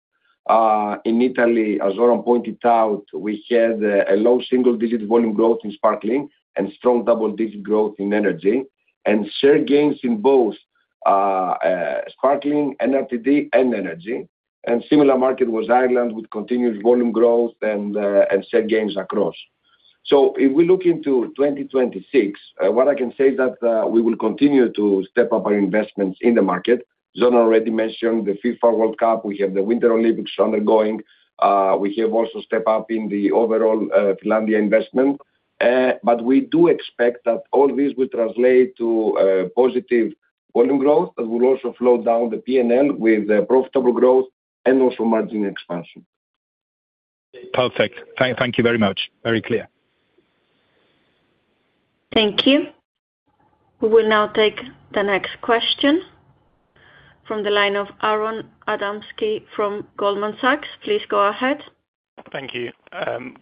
In Italy, as Zoran pointed out, we had a low single-digit volume growth in sparkling and strong double-digit growth in energy and share gains in both sparkling, NARTD, and energy. And similar market was Ireland with continued volume growth and share gains across. So if we look into 2026, what I can say is that we will continue to step up our investments in the market. Zoran already mentioned the FIFA World Cup. We have the Winter Olympics undergoing. We have also stepped up in the overall Finlandia investment. But we do expect that all this will translate to positive volume growth that will also slow down the P&L with profitable growth and also margin expansion. Perfect. Thank you very much. Very clear. Thank you. We will now take the next question from the line of Aaron Adamski from Goldman Sachs. Please go ahead. Thank you.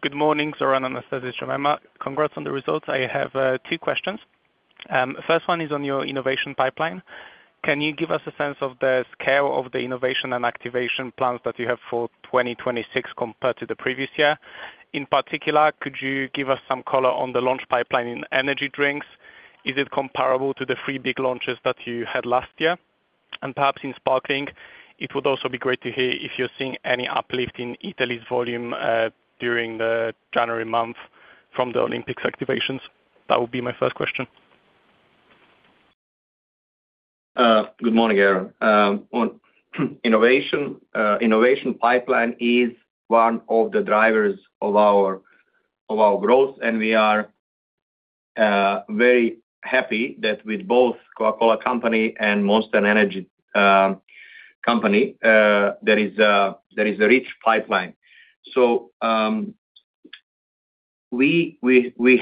Good morning, Zoran and Anastasis Stamoulis. Congrats on the results. I have two questions. The first one is on your innovation pipeline. Can you give us a sense of the scale of the innovation and activation plans that you have for 2026 compared to the previous year? In particular, could you give us some color on the launch pipeline in energy drinks? Is it comparable to the three big launches that you had last year? And perhaps in sparkling, it would also be great to hear if you're seeing any uplift in Italy's volume during the January month from the Olympics activations. That would be my first question. Good morning, Aaron. Innovation pipeline is one of the drivers of our growth, and we are very happy that with both The Coca-Cola Company and Monster Energy Company, there is a rich pipeline. So we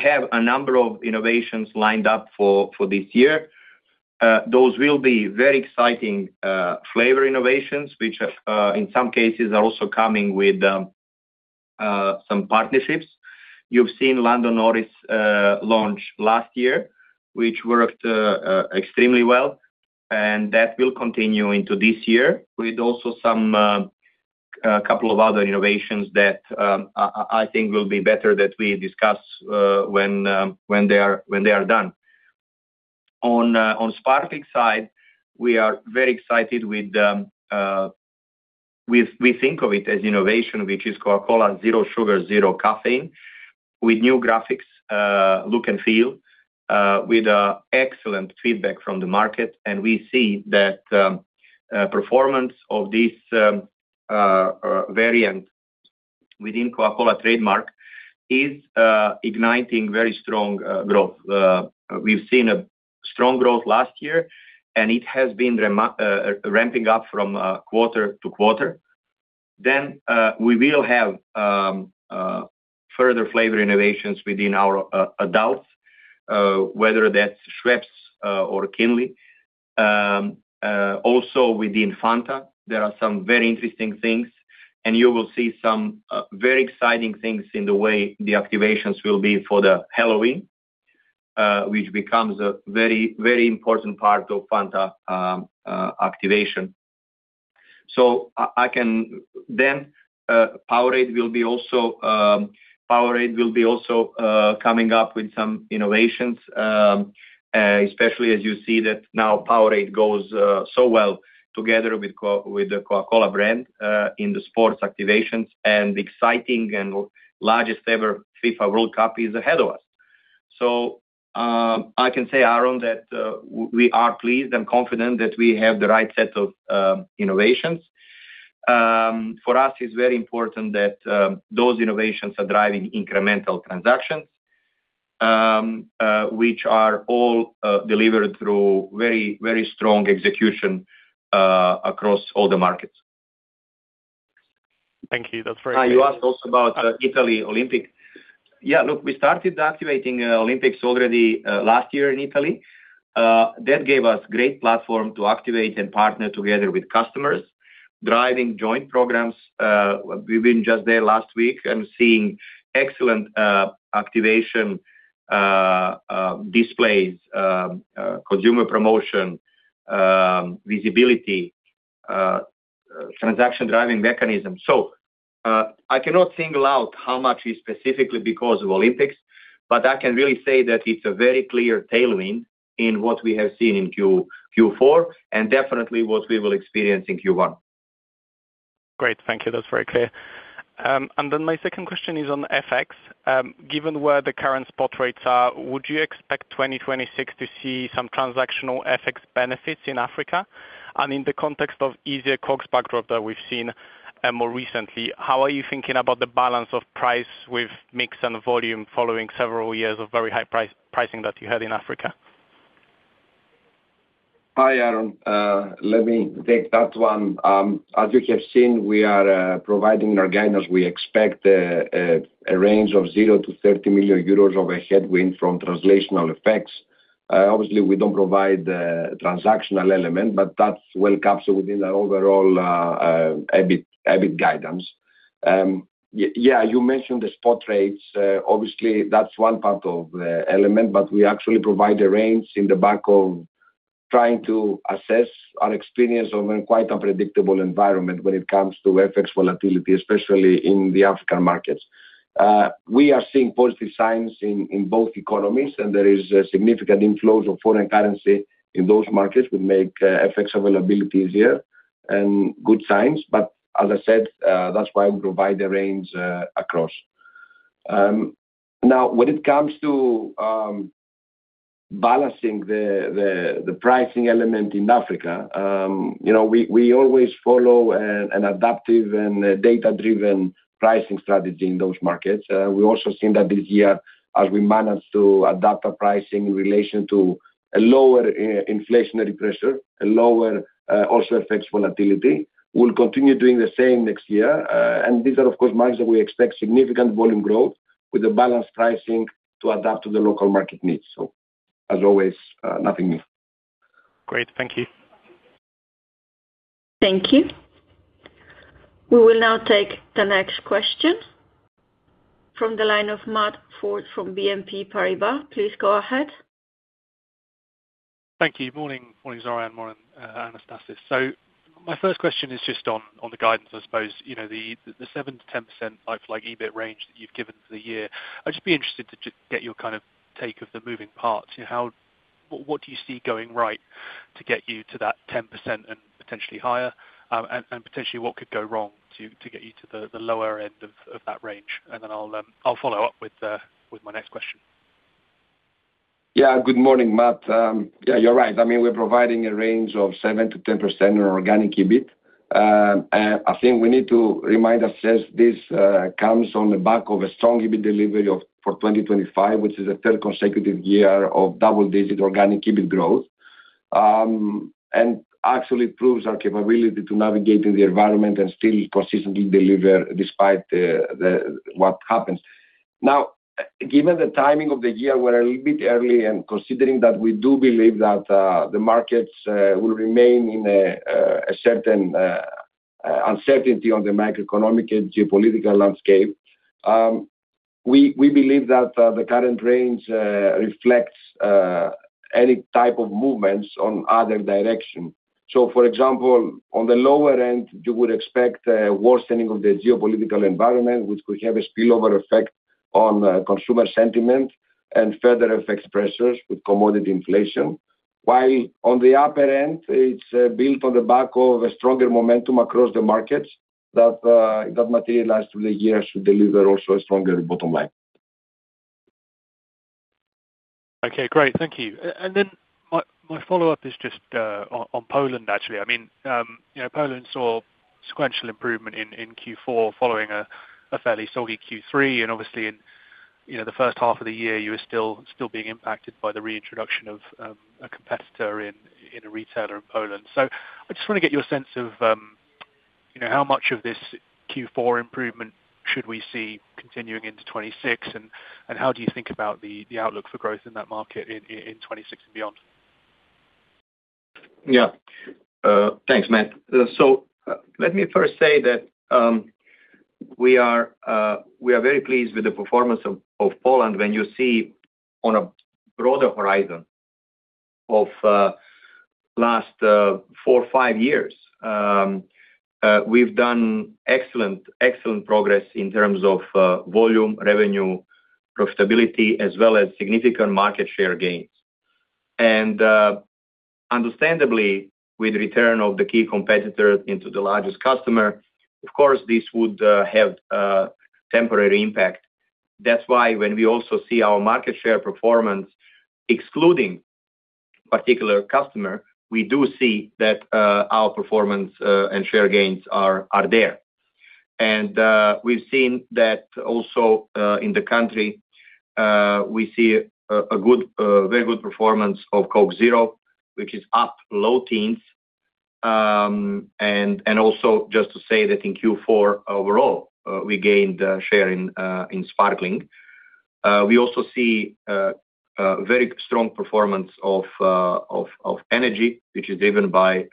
have a number of innovations lined up for this year. Those will be very exciting flavor innovations, which in some cases are also coming with some partnerships. You've seen Lando Norris launch last year, which worked extremely well, and that will continue into this year with also a couple of other innovations that I think will be better that we discuss when they are done. On sparkling side, we are very excited with what we think of it as innovation, which is Coca-Cola Zero Sugar, Zero Caffeine with new graphics, look and feel, with excellent feedback from the market. And we see that performance of this variant within Coca-Cola trademark is igniting very strong growth. We've seen a strong growth last year, and it has been ramping up from quarter to quarter. Then we will have further flavor innovations within our adults, whether that's Schweppes or Kinley. Also, within Fanta, there are some very interesting things, and you will see some very exciting things in the way the activations will be for Halloween, which becomes a very important part of Fanta activation. So then Powerade will be also coming up with some innovations, especially as you see that now Powerade goes so well together with the Coca-Cola brand in the sports activations, and the exciting and largest-ever FIFA World Cup is ahead of us. So I can say, Aaron, that we are pleased and confident that we have the right set of innovations. For us, it's very important that those innovations are driving incremental transactions, which are all delivered through very strong execution across all the markets. Thank you. That's very good. You asked also about Italy Olympics. Yeah, look, we started activating Olympics already last year in Italy. That gave us a great platform to activate and partner together with customers, driving joint programs. We've been just there last week and seeing excellent activation displays, consumer promotion, visibility, transaction-driving mechanisms. So I cannot single out how much is specifically because of Olympics, but I can really say that it's a very clear tailwind in what we have seen in Q4 and definitely what we will experience in Q1. Great. Thank you. That's very clear. And then my second question is on FX. Given where the current spot rates are, would you expect 2026 to see some transactional FX benefits in Africa? And in the context of easier COGS backdrop that we've seen more recently, how are you thinking about the balance of price with mix and volume following several years of very high pricing that you had in Africa? Hi, Aaron. Let me take that one. As you have seen, we are providing in our guidance, we expect a range of 0 million-30 million euros of a headwind from translational effects. Obviously, we don't provide the transactional element, but that encapsulates within the overall EBIT guidance. Yeah, you mentioned the spot rates. Obviously, that's one part of the element, but we actually provide a range in the back of trying to assess our experience of a quite unpredictable environment when it comes to FX volatility, especially in the African markets. We are seeing positive signs in both economies, and there is significant inflows of foreign currency in those markets which make FX availability easier and good signs. But as I said, that's why we provide a range across. Now, when it comes to balancing the pricing element in Africa, we always follow an adaptive and data-driven pricing strategy in those markets. We also see that this year, as we manage to adapt our pricing in relation to a lower inflationary pressure, a lower FX effects volatility, we'll continue doing the same next year. These are, of course, markets that we expect significant volume growth with a balanced pricing to adapt to the local market needs. As always, nothing new. Great. Thank you. Thank you. We will now take the next question from the line of Matt Ford from BNP Paribas. Please go ahead. Thank you. Good morning. Morning, Zoran. Morning, Anastasis. My first question is just on the guidance, I suppose, the 7%-10% EBIT range that you've given for the year. I'd just be interested to get your kind of take of the moving parts. What do you see going right to get you to that 10% and potentially higher? And potentially, what could go wrong to get you to the lower end of that range? And then I'll follow up with my next question. Yeah, good morning, Matt. Yeah, you're right. I mean, we're providing a range of 7%-10% in organic EBIT. I think we need to remind ourselves this comes on the back of a strong EBIT delivery for 2025, which is the third consecutive year of double-digit organic EBIT growth and actually proves our capability to navigate in the environment and still consistently deliver despite what happens. Now, given the timing of the year, we're a little bit early and considering that we do believe that the markets will remain in a certain uncertainty on the macroeconomic and geopolitical landscape, we believe that the current range reflects any type of movements in other directions. So, for example, on the lower end, you would expect a worsening of the geopolitical environment, which could have a spillover effect on consumer sentiment and further effects pressures with commodity inflation. While on the upper end, it's built on the back of a stronger momentum across the markets that materialized through the years should deliver also a stronger bottom line. Okay. Great. Thank you. And then my follow-up is just on Poland, actually. I mean, Poland saw sequential improvement in Q4 following a fairly soggy Q3. And obviously, in the first half of the year, you were still being impacted by the reintroduction of a competitor in a retailer in Poland. So I just want to get your sense of how much of this Q4 improvement should we see continuing into 2026, and how do you think about the outlook for growth in that market in 2026 and beyond? Yeah. Thanks, Matt. So let me first say that we are very pleased with the performance of Poland when you see on a broader horizon of last 4, 5 years, we've done excellent progress in terms of volume, revenue, profitability, as well as significant market share gains. Understandably, with the return of the key competitor into the largest customer, of course, this would have a temporary impact. That's why when we also see our market share performance excluding particular customer, we do see that our performance and share gains are there. We've seen that also in the country; we see a very good performance of Coke Zero, which is up low teens. Also just to say that in Q4 overall, we gained share in sparkling. We also see very strong performance of energy, which is driven by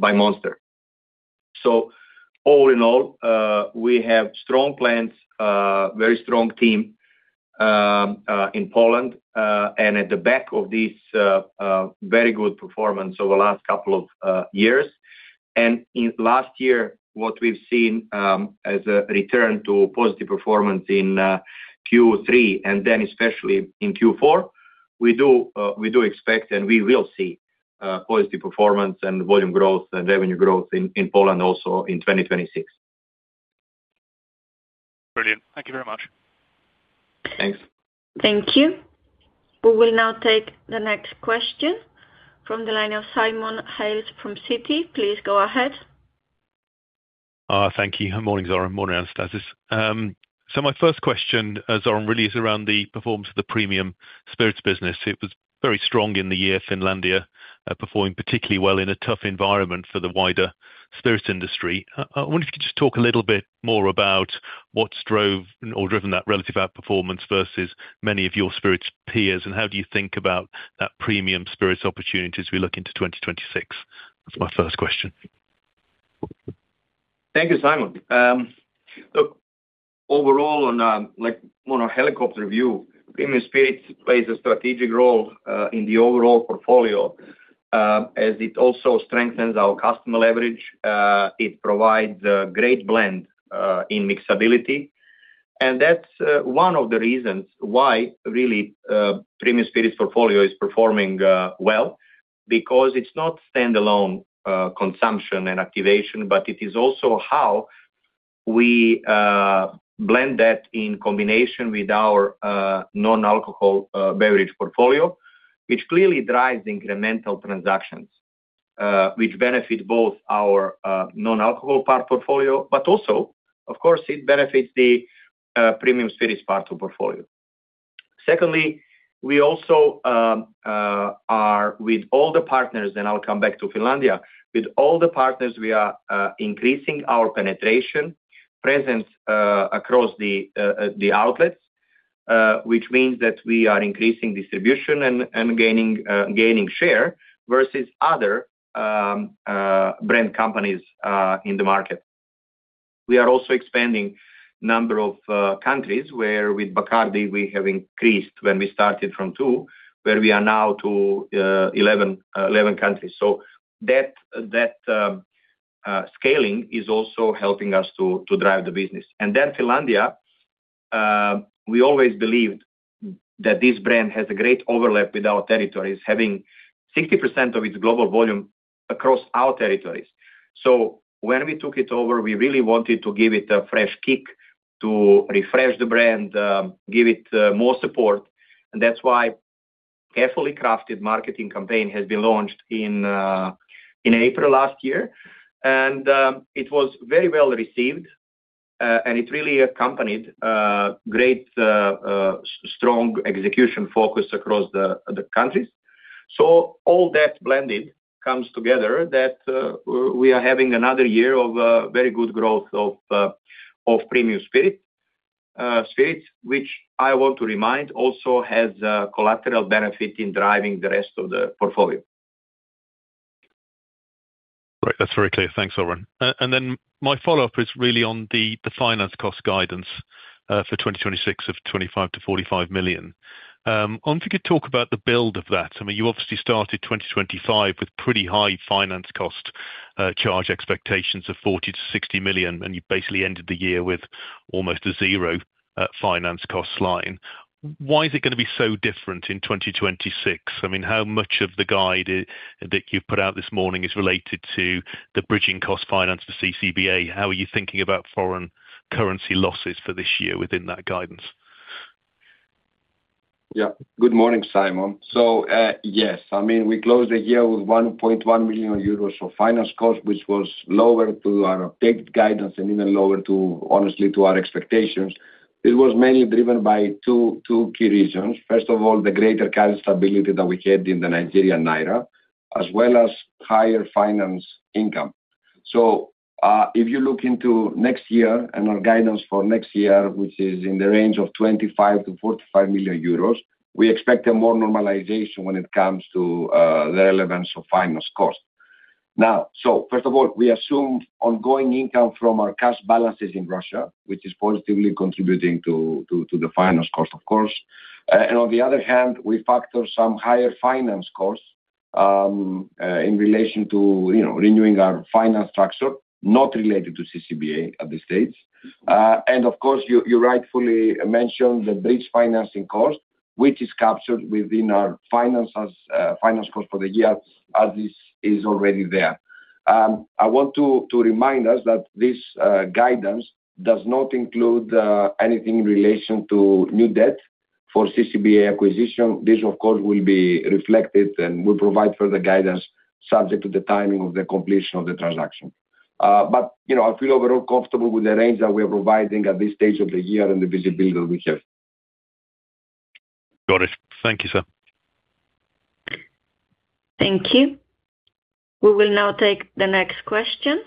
Monster. All in all, we have strong plans, very strong team in Poland, and at the back of this very good performance over the last couple of years. Last year, what we've seen as a return to positive performance in Q3 and then especially in Q4, we do expect and we will see positive performance and volume growth and revenue growth in Poland also in 2026. Brilliant. Thank you very much. Thanks. Thank you. We will now take the next question from the line of Simon Hales from Citi. Please go ahead. Thank you. Good morning, Zoran. Morning, Anastasis. So my first question, Zoran, really is around the performance of the premium spirits business. It was very strong in the year, Finlandia performing particularly well in a tough environment for the wider spirits industry. I wonder if you could just talk a little bit more about what's driven that relative outperformance versus many of your spirits peers, and how do you think about that premium spirits opportunities we look into 2026? That's my first question. Thank you, Simon. Look, overall, on a helicopter view, premium spirits plays a strategic role in the overall portfolio as it also strengthens our customer leverage. It provides a great blend in mixability. And that's one of the reasons why really premium spirits portfolio is performing well, because it's not standalone consumption and activation, but it is also how we blend that in combination with our non-alcoholic beverage portfolio, which clearly drives incremental transactions, which benefit both our non-alcoholic part portfolio, but also, of course, it benefits the premium spirits part of portfolio. Secondly, we also are with all the partners and I'll come back to Finlandia. With all the partners, we are increasing our penetration presence across the outlets, which means that we are increasing distribution and gaining share versus other brand companies in the market. We are also expanding in a number of countries where, with Bacardi, we have increased when we started from 2, where we are now to 11 countries. So that scaling is also helping us to drive the business. And then Finlandia, we always believed that this brand has a great overlap with our territories, having 60% of its global volume across our territories. So when we took it over, we really wanted to give it a fresh kick to refresh the brand, give it more support. And that's why a carefully crafted marketing campaign has been launched in April last year. And it was very well received, and it really accompanied great, strong execution focus across the countries. All that blended comes together that we are having another year of very good growth of premium spirits, which I want to remind also has a collateral benefit in driving the rest of the portfolio. Great. That's very clear. Thanks, Zoran. Then my follow-up is really on the finance cost guidance for 2026 of 25-45 million. If you could talk about the build of that. I mean, you obviously started 2025 with pretty high finance cost charge expectations of 40-60 million, and you basically ended the year with almost a zero finance cost line. Why is it going to be so different in 2026? I mean, how much of the guide that you've put out this morning is related to the bridging cost finance for CCBA? How are you thinking about foreign currency losses for this year within that guidance? Yeah. Good morning, Simon. So yes, I mean, we closed the year with 1.1 million euros of finance costs, which was lower to our updated guidance and even lower, honestly, to our expectations. It was mainly driven by two key reasons. First of all, the greater cash stability that we had in the Nigerian naira, as well as higher finance income. So if you look into next year and our guidance for next year, which is in the range of 25 million-45 million euros, we expect a more normalization when it comes to the relevance of finance costs. Now, so first of all, we assume ongoing income from our cash balances in Russia, which is positively contributing to the finance cost, of course. And on the other hand, we factor some higher finance costs in relation to renewing our finance structure, not related to CCBA at this stage. Of course, you rightfully mentioned the bridge financing cost, which is captured within our finance cost for the year as this is already there. I want to remind us that this guidance does not include anything in relation to new debt for CCBA acquisition. This, of course, will be reflected and will provide further guidance subject to the timing of the completion of the transaction. But I feel overall comfortable with the range that we are providing at this stage of the year and the visibility that we have. Got it. Thank you, sir. Thank you. We will now take the next question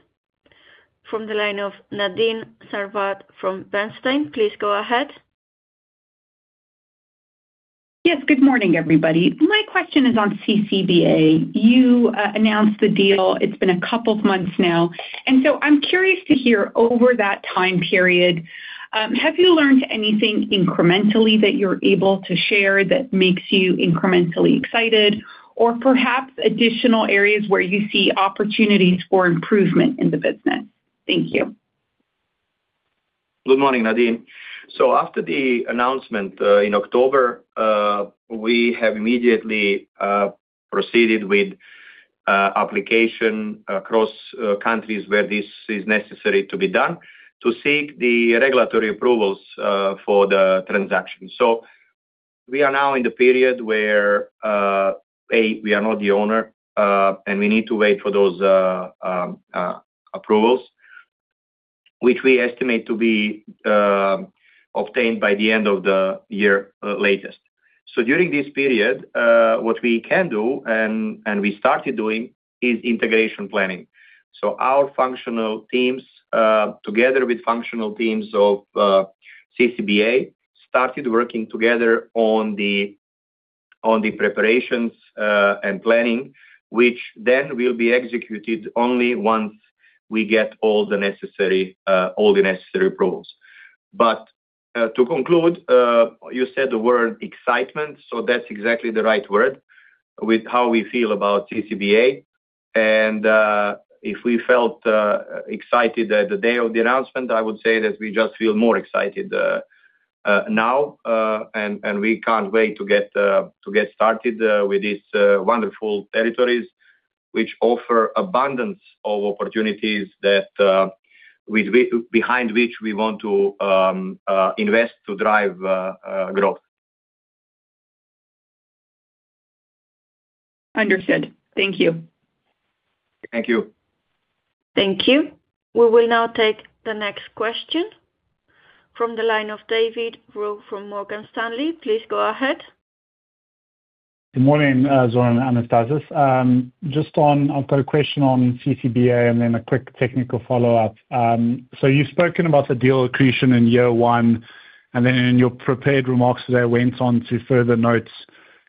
from the line of Nadine Sarwat from Bernstein. Please go ahead. Yes. Good morning, everybody. My question is on CCBA. You announced the deal. It's been a couple of months now. And so I'm curious to hear, over that time period, have you learned anything incrementally that you're able to share that makes you incrementally excited, or perhaps additional areas where you see opportunities for improvement in the business? Thank you. Good morning, Nadine. So after the announcement in October, we have immediately proceeded with application across countries where this is necessary to be done to seek the regulatory approvals for the transaction. So we are now in the period where, A, we are not the owner, and we need to wait for those approvals, which we estimate to be obtained by the end of the year latest. So during this period, what we can do and we started doing is integration planning. So our functional teams, together with functional teams of CCBA, started working together on the preparations and planning, which then will be executed only once we get all the necessary approvals. But to conclude, you said the word excitement. So that's exactly the right word with how we feel about CCBA. If we felt excited at the day of the announcement, I would say that we just feel more excited now, and we can't wait to get started with these wonderful territories, which offer abundance of opportunities behind which we want to invest to drive growth. Understood. Thank you. Thank you. Thank you. We will now take the next question from the line of David Rowe from Morgan Stanley. Please go ahead. Good morning, Zoran and Anastasis. I've got a question on CCBA and then a quick technical follow-up. So you've spoken about the deal accretion in year one, and then in your prepared remarks today, I went on to further note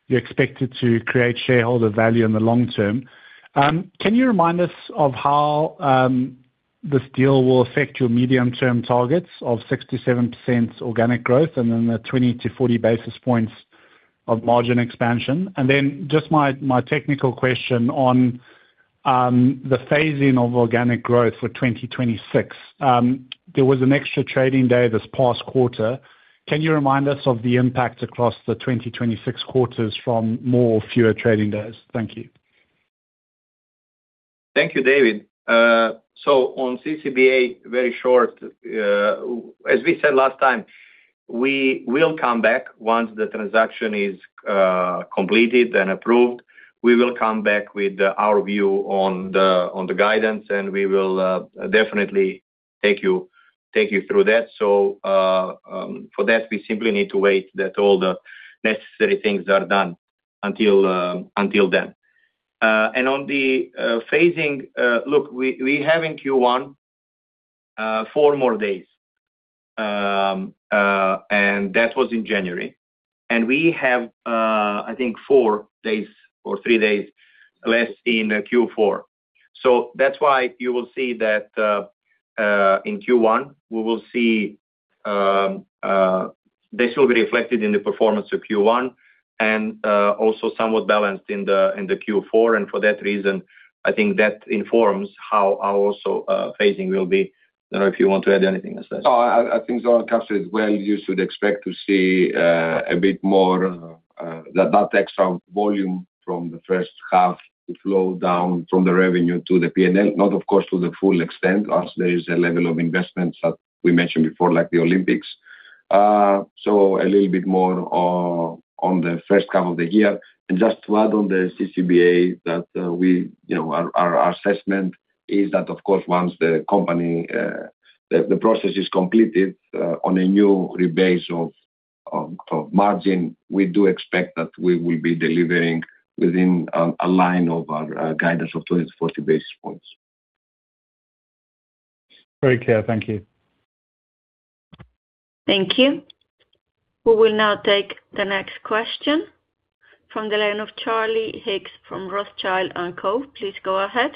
you're expected to create shareholder value in the long term. Can you remind us of how this deal will affect your medium-term targets of 6%-7% organic growth and then the 20-40 basis points of margin expansion? And then just my technical question on the phasing of organic growth for 2026. There was an extra trading day this past quarter. Can you remind us of the impact across the 2026 quarters from more or fewer trading days? Thank you. Thank you, David. On CCBA, very short, as we said last time, we will come back once the transaction is completed and approved. We will come back with our view on the guidance, and we will definitely take you through that. For that, we simply need to wait that all the necessary things are done until then. On the phasing, look, we have in Q1 four more days, and that was in January. We have, I think, four days or three days less in Q4. So that's why you will see that in Q1, we will see this will be reflected in the performance of Q1 and also somewhat balanced in the Q4. For that reason, I think that informs how our also phasing will be. I don't know if you want to add anything, Anastasis. Oh, I think Zoran captured it well. You should expect to see a bit more that extra volume from the first half to flow down from the revenue to the P&L, not, of course, to the full extent as there is a level of investments that we mentioned before, like the Olympics. So a little bit more on the first half of the year. Just to add on the CCBA, that our assessment is that, of course, once the process is completed on a new rebase of margin, we do expect that we will be delivering within a line of our guidance of 20-40 basis points. Great, clear. Thank you. Thank you. We will now take the next question from the line of Charlie Higgs from Rothschild & Co. Please go ahead.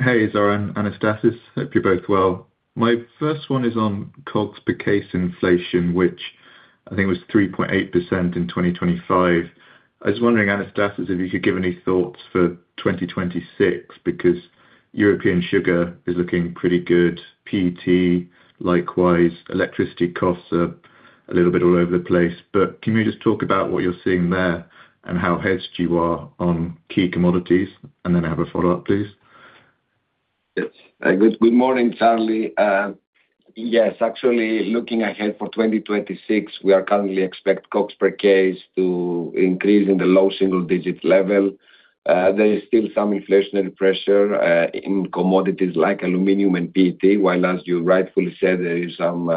Hey, Zoran and Anastasis. Hope you're both well. My first one is on cost per case inflation, which I think was 3.8% in 2025. I was wondering, Anastasis, if you could give any thoughts for 2026 because European sugar is looking pretty good. PET, likewise. Electricity costs are a little bit all over the place. But can you just talk about what you're seeing there and how hedged you are on key commodities? And then I have a follow-up, please. Yes. Good morning, Charlie. Yes, actually, looking ahead for 2026, we are currently expect CapEx to increase in the low single-digit level. There is still some inflationary pressure in commodities like aluminum and PET, while as you rightfully said, there is some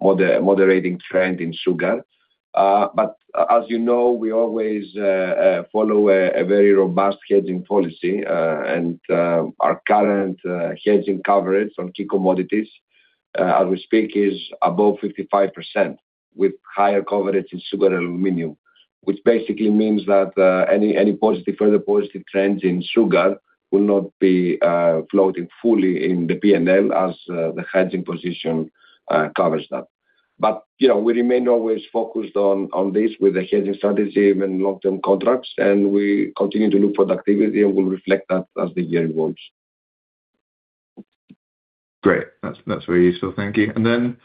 moderating trend in sugar. But as you know, we always follow a very robust hedging policy. And our current hedging coverage on key commodities, as we speak, is above 55% with higher coverage in sugar and aluminum, which basically means that any further positive trends in sugar will not be floating fully in the P&L as the hedging position covers that. But we remain always focused on this with the hedging strategy and long-term contracts. And we continue to look for the activity and will reflect that as the year evolves. Great. That's very useful. Thank you. And then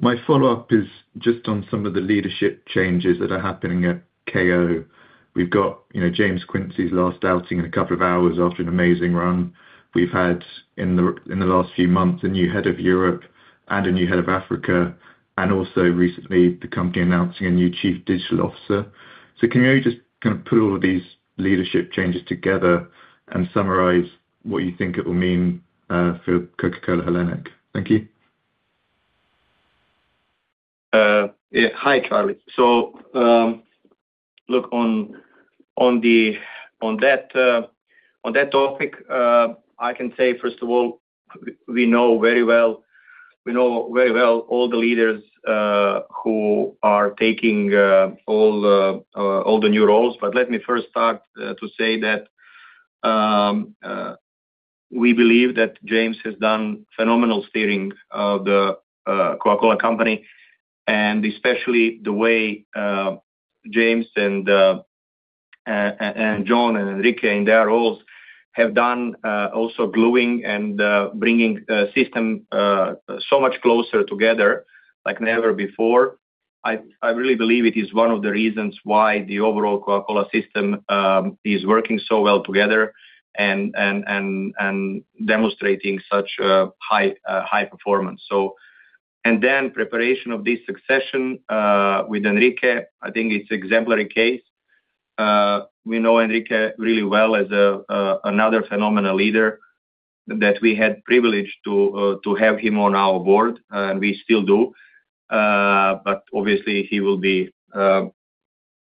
my follow-up is just on some of the leadership changes that are happening at KO. We've got James Quincey's last outing in a couple of hours after an amazing run. We've had in the last few months a new head of Europe and a new head of Africa, and also recently, the company announcing a new chief digital officer. So can you just kind of put all of these leadership changes together and summarize what you think it will mean for Coca-Cola Hellenic? Thank you. Hi, Charlie. So look, on that topic, I can say, first of all, we know very well all the leaders who are taking all the new roles. But let me first start to say that we believe that James has done phenomenal steering of the Coca-Cola Company, and especially the way James and John and Henrique in their roles have done also gluing and bringing systems so much closer together like never before. I really believe it is one of the reasons why the overall Coca-Cola system is working so well together and demonstrating such high performance. And then preparation of this succession with Henrique, I think it's an exemplary case. We know Henrique really well as another phenomenal leader that we had privilege to have him on our board, and we still do. But obviously, he will be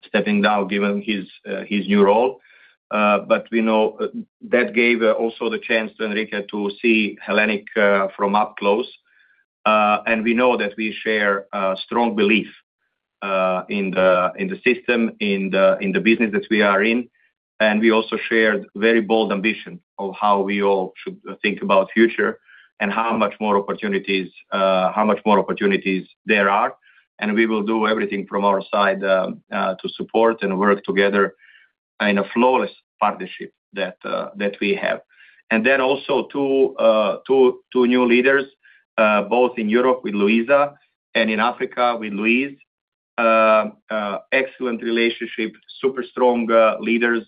stepping down given his new role. But we know that gave also the chance to Henrique to see Hellenic from up close. And we know that we share a strong belief in the system, in the business that we are in. And we also shared very bold ambition of how we all should think about the future and how much more opportunities there are. And we will do everything from our side to support and work together in a flawless partnership that we have. And then also two new leaders, both in Europe with Luisa and in Africa with Luis. Excellent relationship, super strong leaders,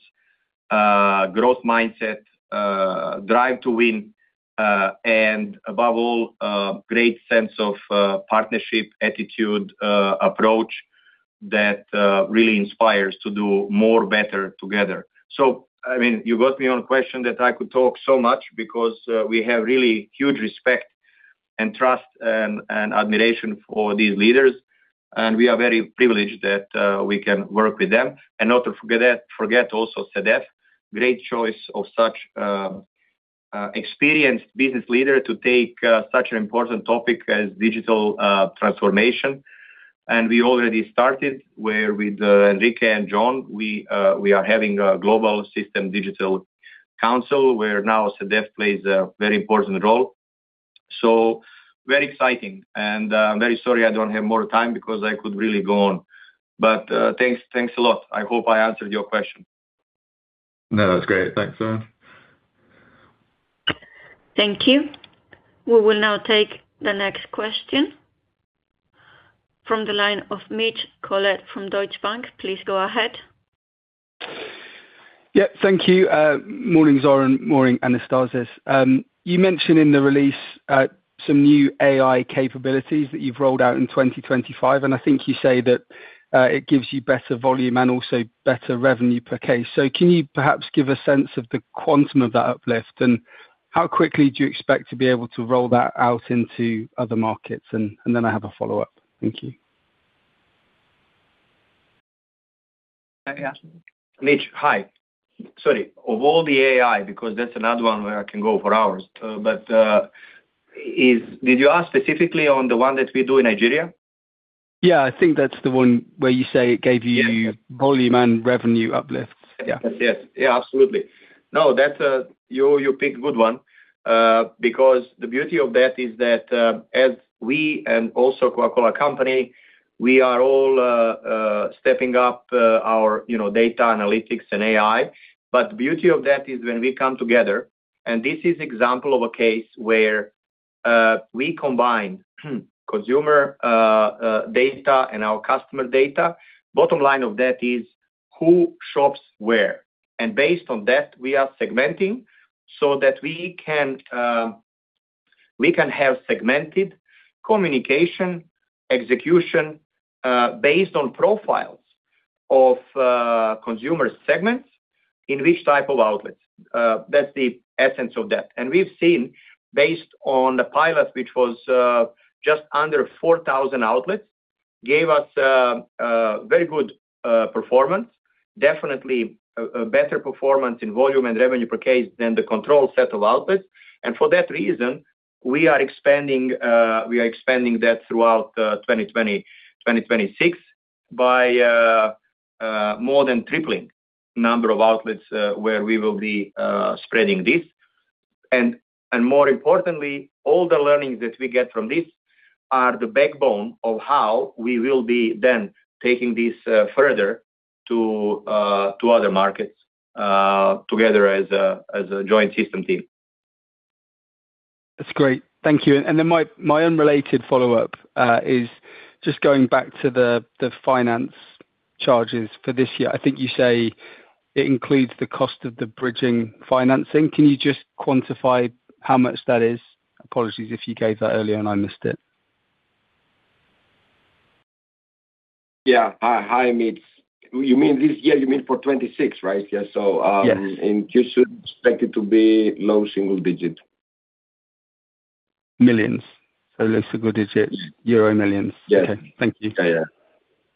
growth mindset, drive to win, and above all, great sense of partnership, attitude, approach that really inspires to do more, better together. So I mean, you got me on a question that I could talk so much because we have really huge respect and trust and admiration for these leaders. We are very privileged that we can work with them. Not to forget also Sedef. Great choice of such experienced business leader to take such an important topic as digital transformation. We already started where with Henrique and John, we are having a global system digital council where now Sedef plays a very important role. Very exciting. I'm very sorry I don't have more time because I could really go on. But thanks a lot. I hope I answered your question. No, that's great. Thanks, Zoran. Thank you. We will now take the next question from the line of Mitch Collett from Deutsche Bank. Please go ahead. Yeah, thank you. Morning, Zoran. Morning, Anastasis. You mentioned in the release some new AI capabilities that you've rolled out in 2025. I think you say that it gives you better volume and also better revenue per case. Can you perhaps give a sense of the quantum of that uplift? And how quickly do you expect to be able to roll that out into other markets? And then I have a follow-up. Thank you. Mitch, hi. Sorry, of all the AI, because that's another one where I can go for hours, but did you ask specifically on the one that we do in Nigeria? Yeah, I think that's the one where you say it gave you volume and revenue uplifts. Yeah. Yes, yes. Yeah, absolutely. No, you picked a good one because the beauty of that is that as we and also Coca-Cola Company, we are all stepping up our data analytics and AI. But the beauty of that is when we come together, and this is an example of a case where we combine consumer data and our customer data, bottom line of that is who shops where. And based on that, we are segmenting so that we can have segmented communication execution based on profiles of consumer segments in which type of outlets. That's the essence of that. And we've seen based on the pilot, which was just under 4,000 outlets, gave us very good performance, definitely better performance in volume and revenue per case than the control set of outlets. For that reason, we are expanding that throughout 2026 by more than tripling the number of outlets where we will be spreading this. More importantly, all the learnings that we get from this are the backbone of how we will be then taking this further to other markets together as a joint system team. That's great. Thank you. And then my unrelated follow-up is just going back to the finance charges for this year. I think you say it includes the cost of the bridging financing. Can you just quantify how much that is? Apologies if you gave that earlier and I missed it. Yeah. Hi, Mitch. You mean this year, you mean for 2026, right? Yeah. So you should expect it to be low single digit. Millions. So low single digits, euro millions. Okay. Thank you. Yeah, yeah.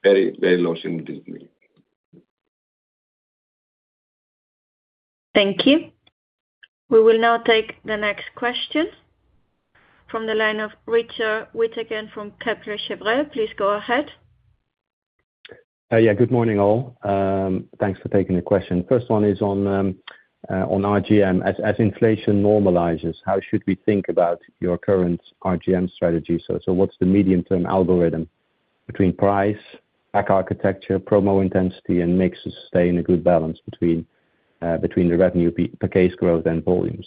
Very, very low single digits. Thank you. We will now take the next question from the line of Richard Withagen from Kepler Cheuvreux. Please go ahead. Yeah, good morning, all. Thanks for taking the question. First one is on RGM. As inflation normalizes, how should we think about your current RGM strategy? What's the medium-term algorithm between price, pack architecture, promo intensity, and makes us stay in a good balance between the revenue per case growth and volumes?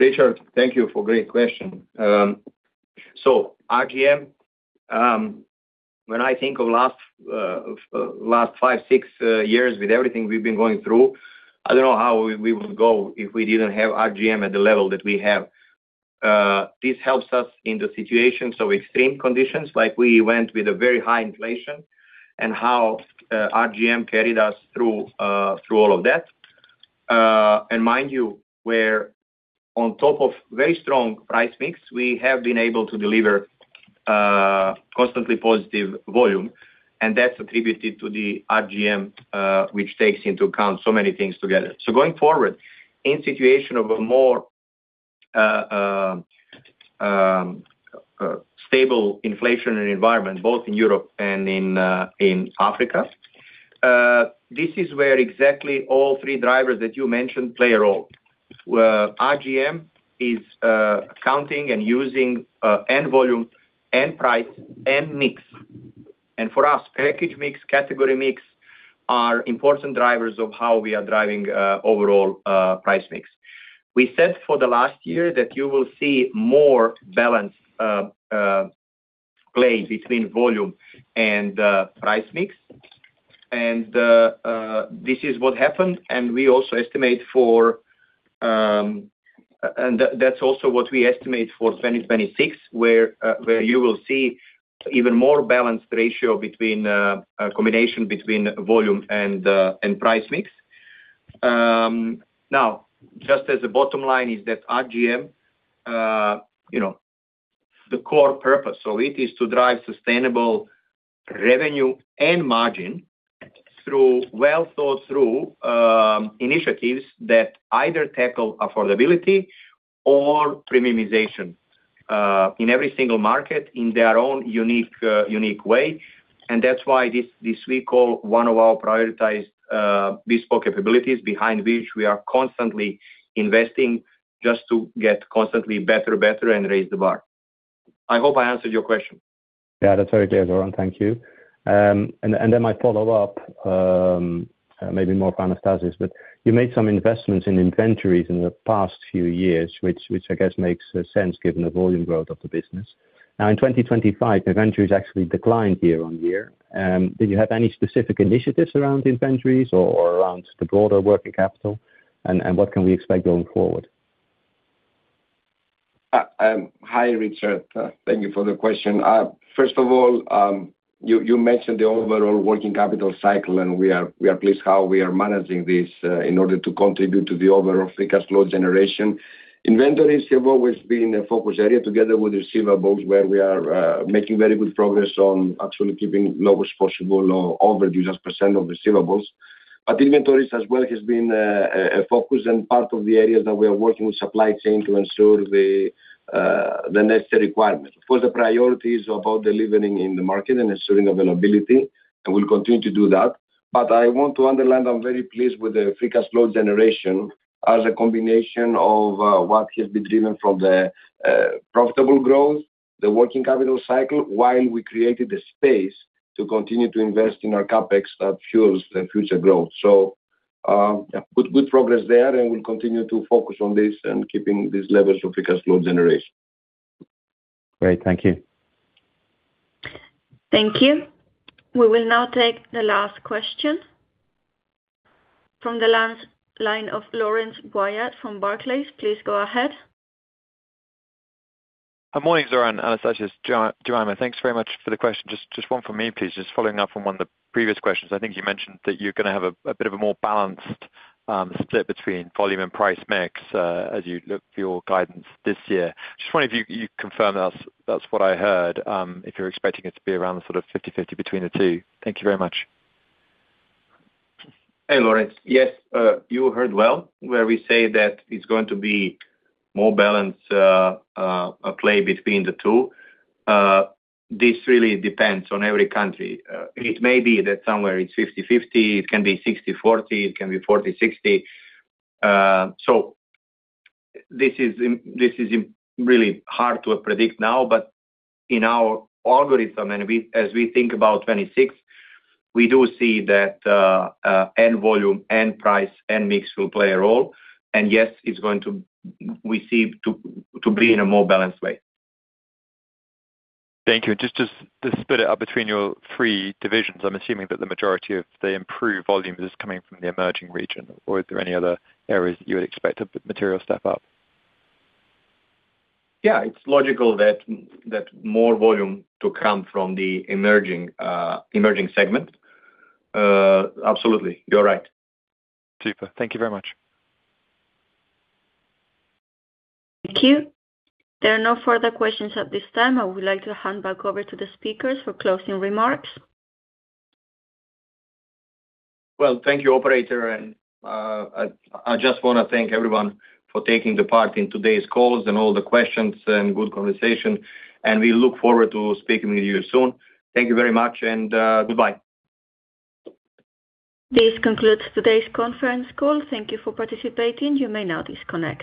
Richard, thank you for a great question. So RGM, when I think of the last five, six years with everything we've been going through, I don't know how we would go if we didn't have RGM at the level that we have. This helps us in the situation of extreme conditions like we went with a very high inflation and how RGM carried us through all of that. And mind you, where on top of very strong price mix, we have been able to deliver constantly positive volume. And that's attributed to the RGM, which takes into account so many things together. So going forward, in a situation of a more stable inflationary environment, both in Europe and in Africa, this is where exactly all three drivers that you mentioned play a role. RGM is accounting and using volume and price and mix. For us, package mix, category mix are important drivers of how we are driving overall price mix. We said for the last year that you will see more balance play between volume and price mix. This is what happened. We also estimate that's also what we estimate for 2026, where you will see even more balanced ratio combination between volume and price mix. Now, just as a bottom line is that RGM, the core purpose of it is to drive sustainable revenue and margin through well-thought-through initiatives that either tackle affordability or premiumization in every single market in their own unique way. That's why we call this one of our prioritized bespoke capabilities, behind which we are constantly investing just to get constantly better, better, and raise the bar. I hope I answered your question. Yeah, that's very clear, Zoran. Thank you. And then my follow-up, maybe more for Anastasis, but you made some investments in inventories in the past few years, which I guess makes sense given the volume growth of the business. Now, in 2025, inventories actually declined year-on-year. Did you have any specific initiatives around inventories or around the broader working capital? And what can we expect going forward? Hi, Richard. Thank you for the question. First of all, you mentioned the overall working capital cycle, and we are pleased how we are managing this in order to contribute to the overall free cash flow generation. Inventories have always been a focus area together with receivables where we are making very good progress on actually keeping lowest possible overdue as % of receivables. But inventories as well have been a focus and part of the areas that we are working with supply chain to ensure the necessary requirements. Of course, the priority is about delivering in the market and ensuring availability. We'll continue to do that. But I want to underline, I'm very pleased with the Free Cash Flow generation as a combination of what has been driven from the profitable growth, the working capital cycle, while we created the space to continue to invest in our CapEx that fuels the future growth. So good progress there, and we'll continue to focus on this and keeping these levels of Free Cash Flow generation. Great. Thank you. Thank you. We will now take the last question from the line of Laurence Whyatt from Barclays. Please go ahead. Hi, morning, Zoran, Anastasis, Jemima. Thanks very much for the question. Just one from me, please. Just following up on one of the previous questions. I think you mentioned that you're going to have a bit of a more balanced split between volume and price mix as you look for your guidance this year. Just wondering if you confirm that's what I heard, if you're expecting it to be around sort of 50/50 between the two. Thank you very much. Hey, Laurence. Yes, you heard well where we say that it's going to be more balanced play between the two. This really depends on every country. It may be that somewhere it's 50/50. It can be 60/40. It can be 40/60. So this is really hard to predict now. But in our algorithm, and as we think about 2026, we do see that and volume and price and mix will play a role. And yes, it's going to we see to be in a more balanced way. Thank you. Just to split it up between your three divisions, I'm assuming that the majority of the improved volume is coming from the emerging region. Or is there any other areas that you would expect a material step up? Yeah, it's logical that more volume to come from the emerging segment. Absolutely. You're right. Super. Thank you very much. Thank you. There are no further questions at this time. I would like to hand back over to the speakers for closing remarks. Well, thank you, operator. I just want to thank everyone for taking part in today's calls and all the questions and good conversation. We look forward to speaking with you soon. Thank you very much, and goodbye. This concludes today's conference call. Thank you for participating. You may now disconnect.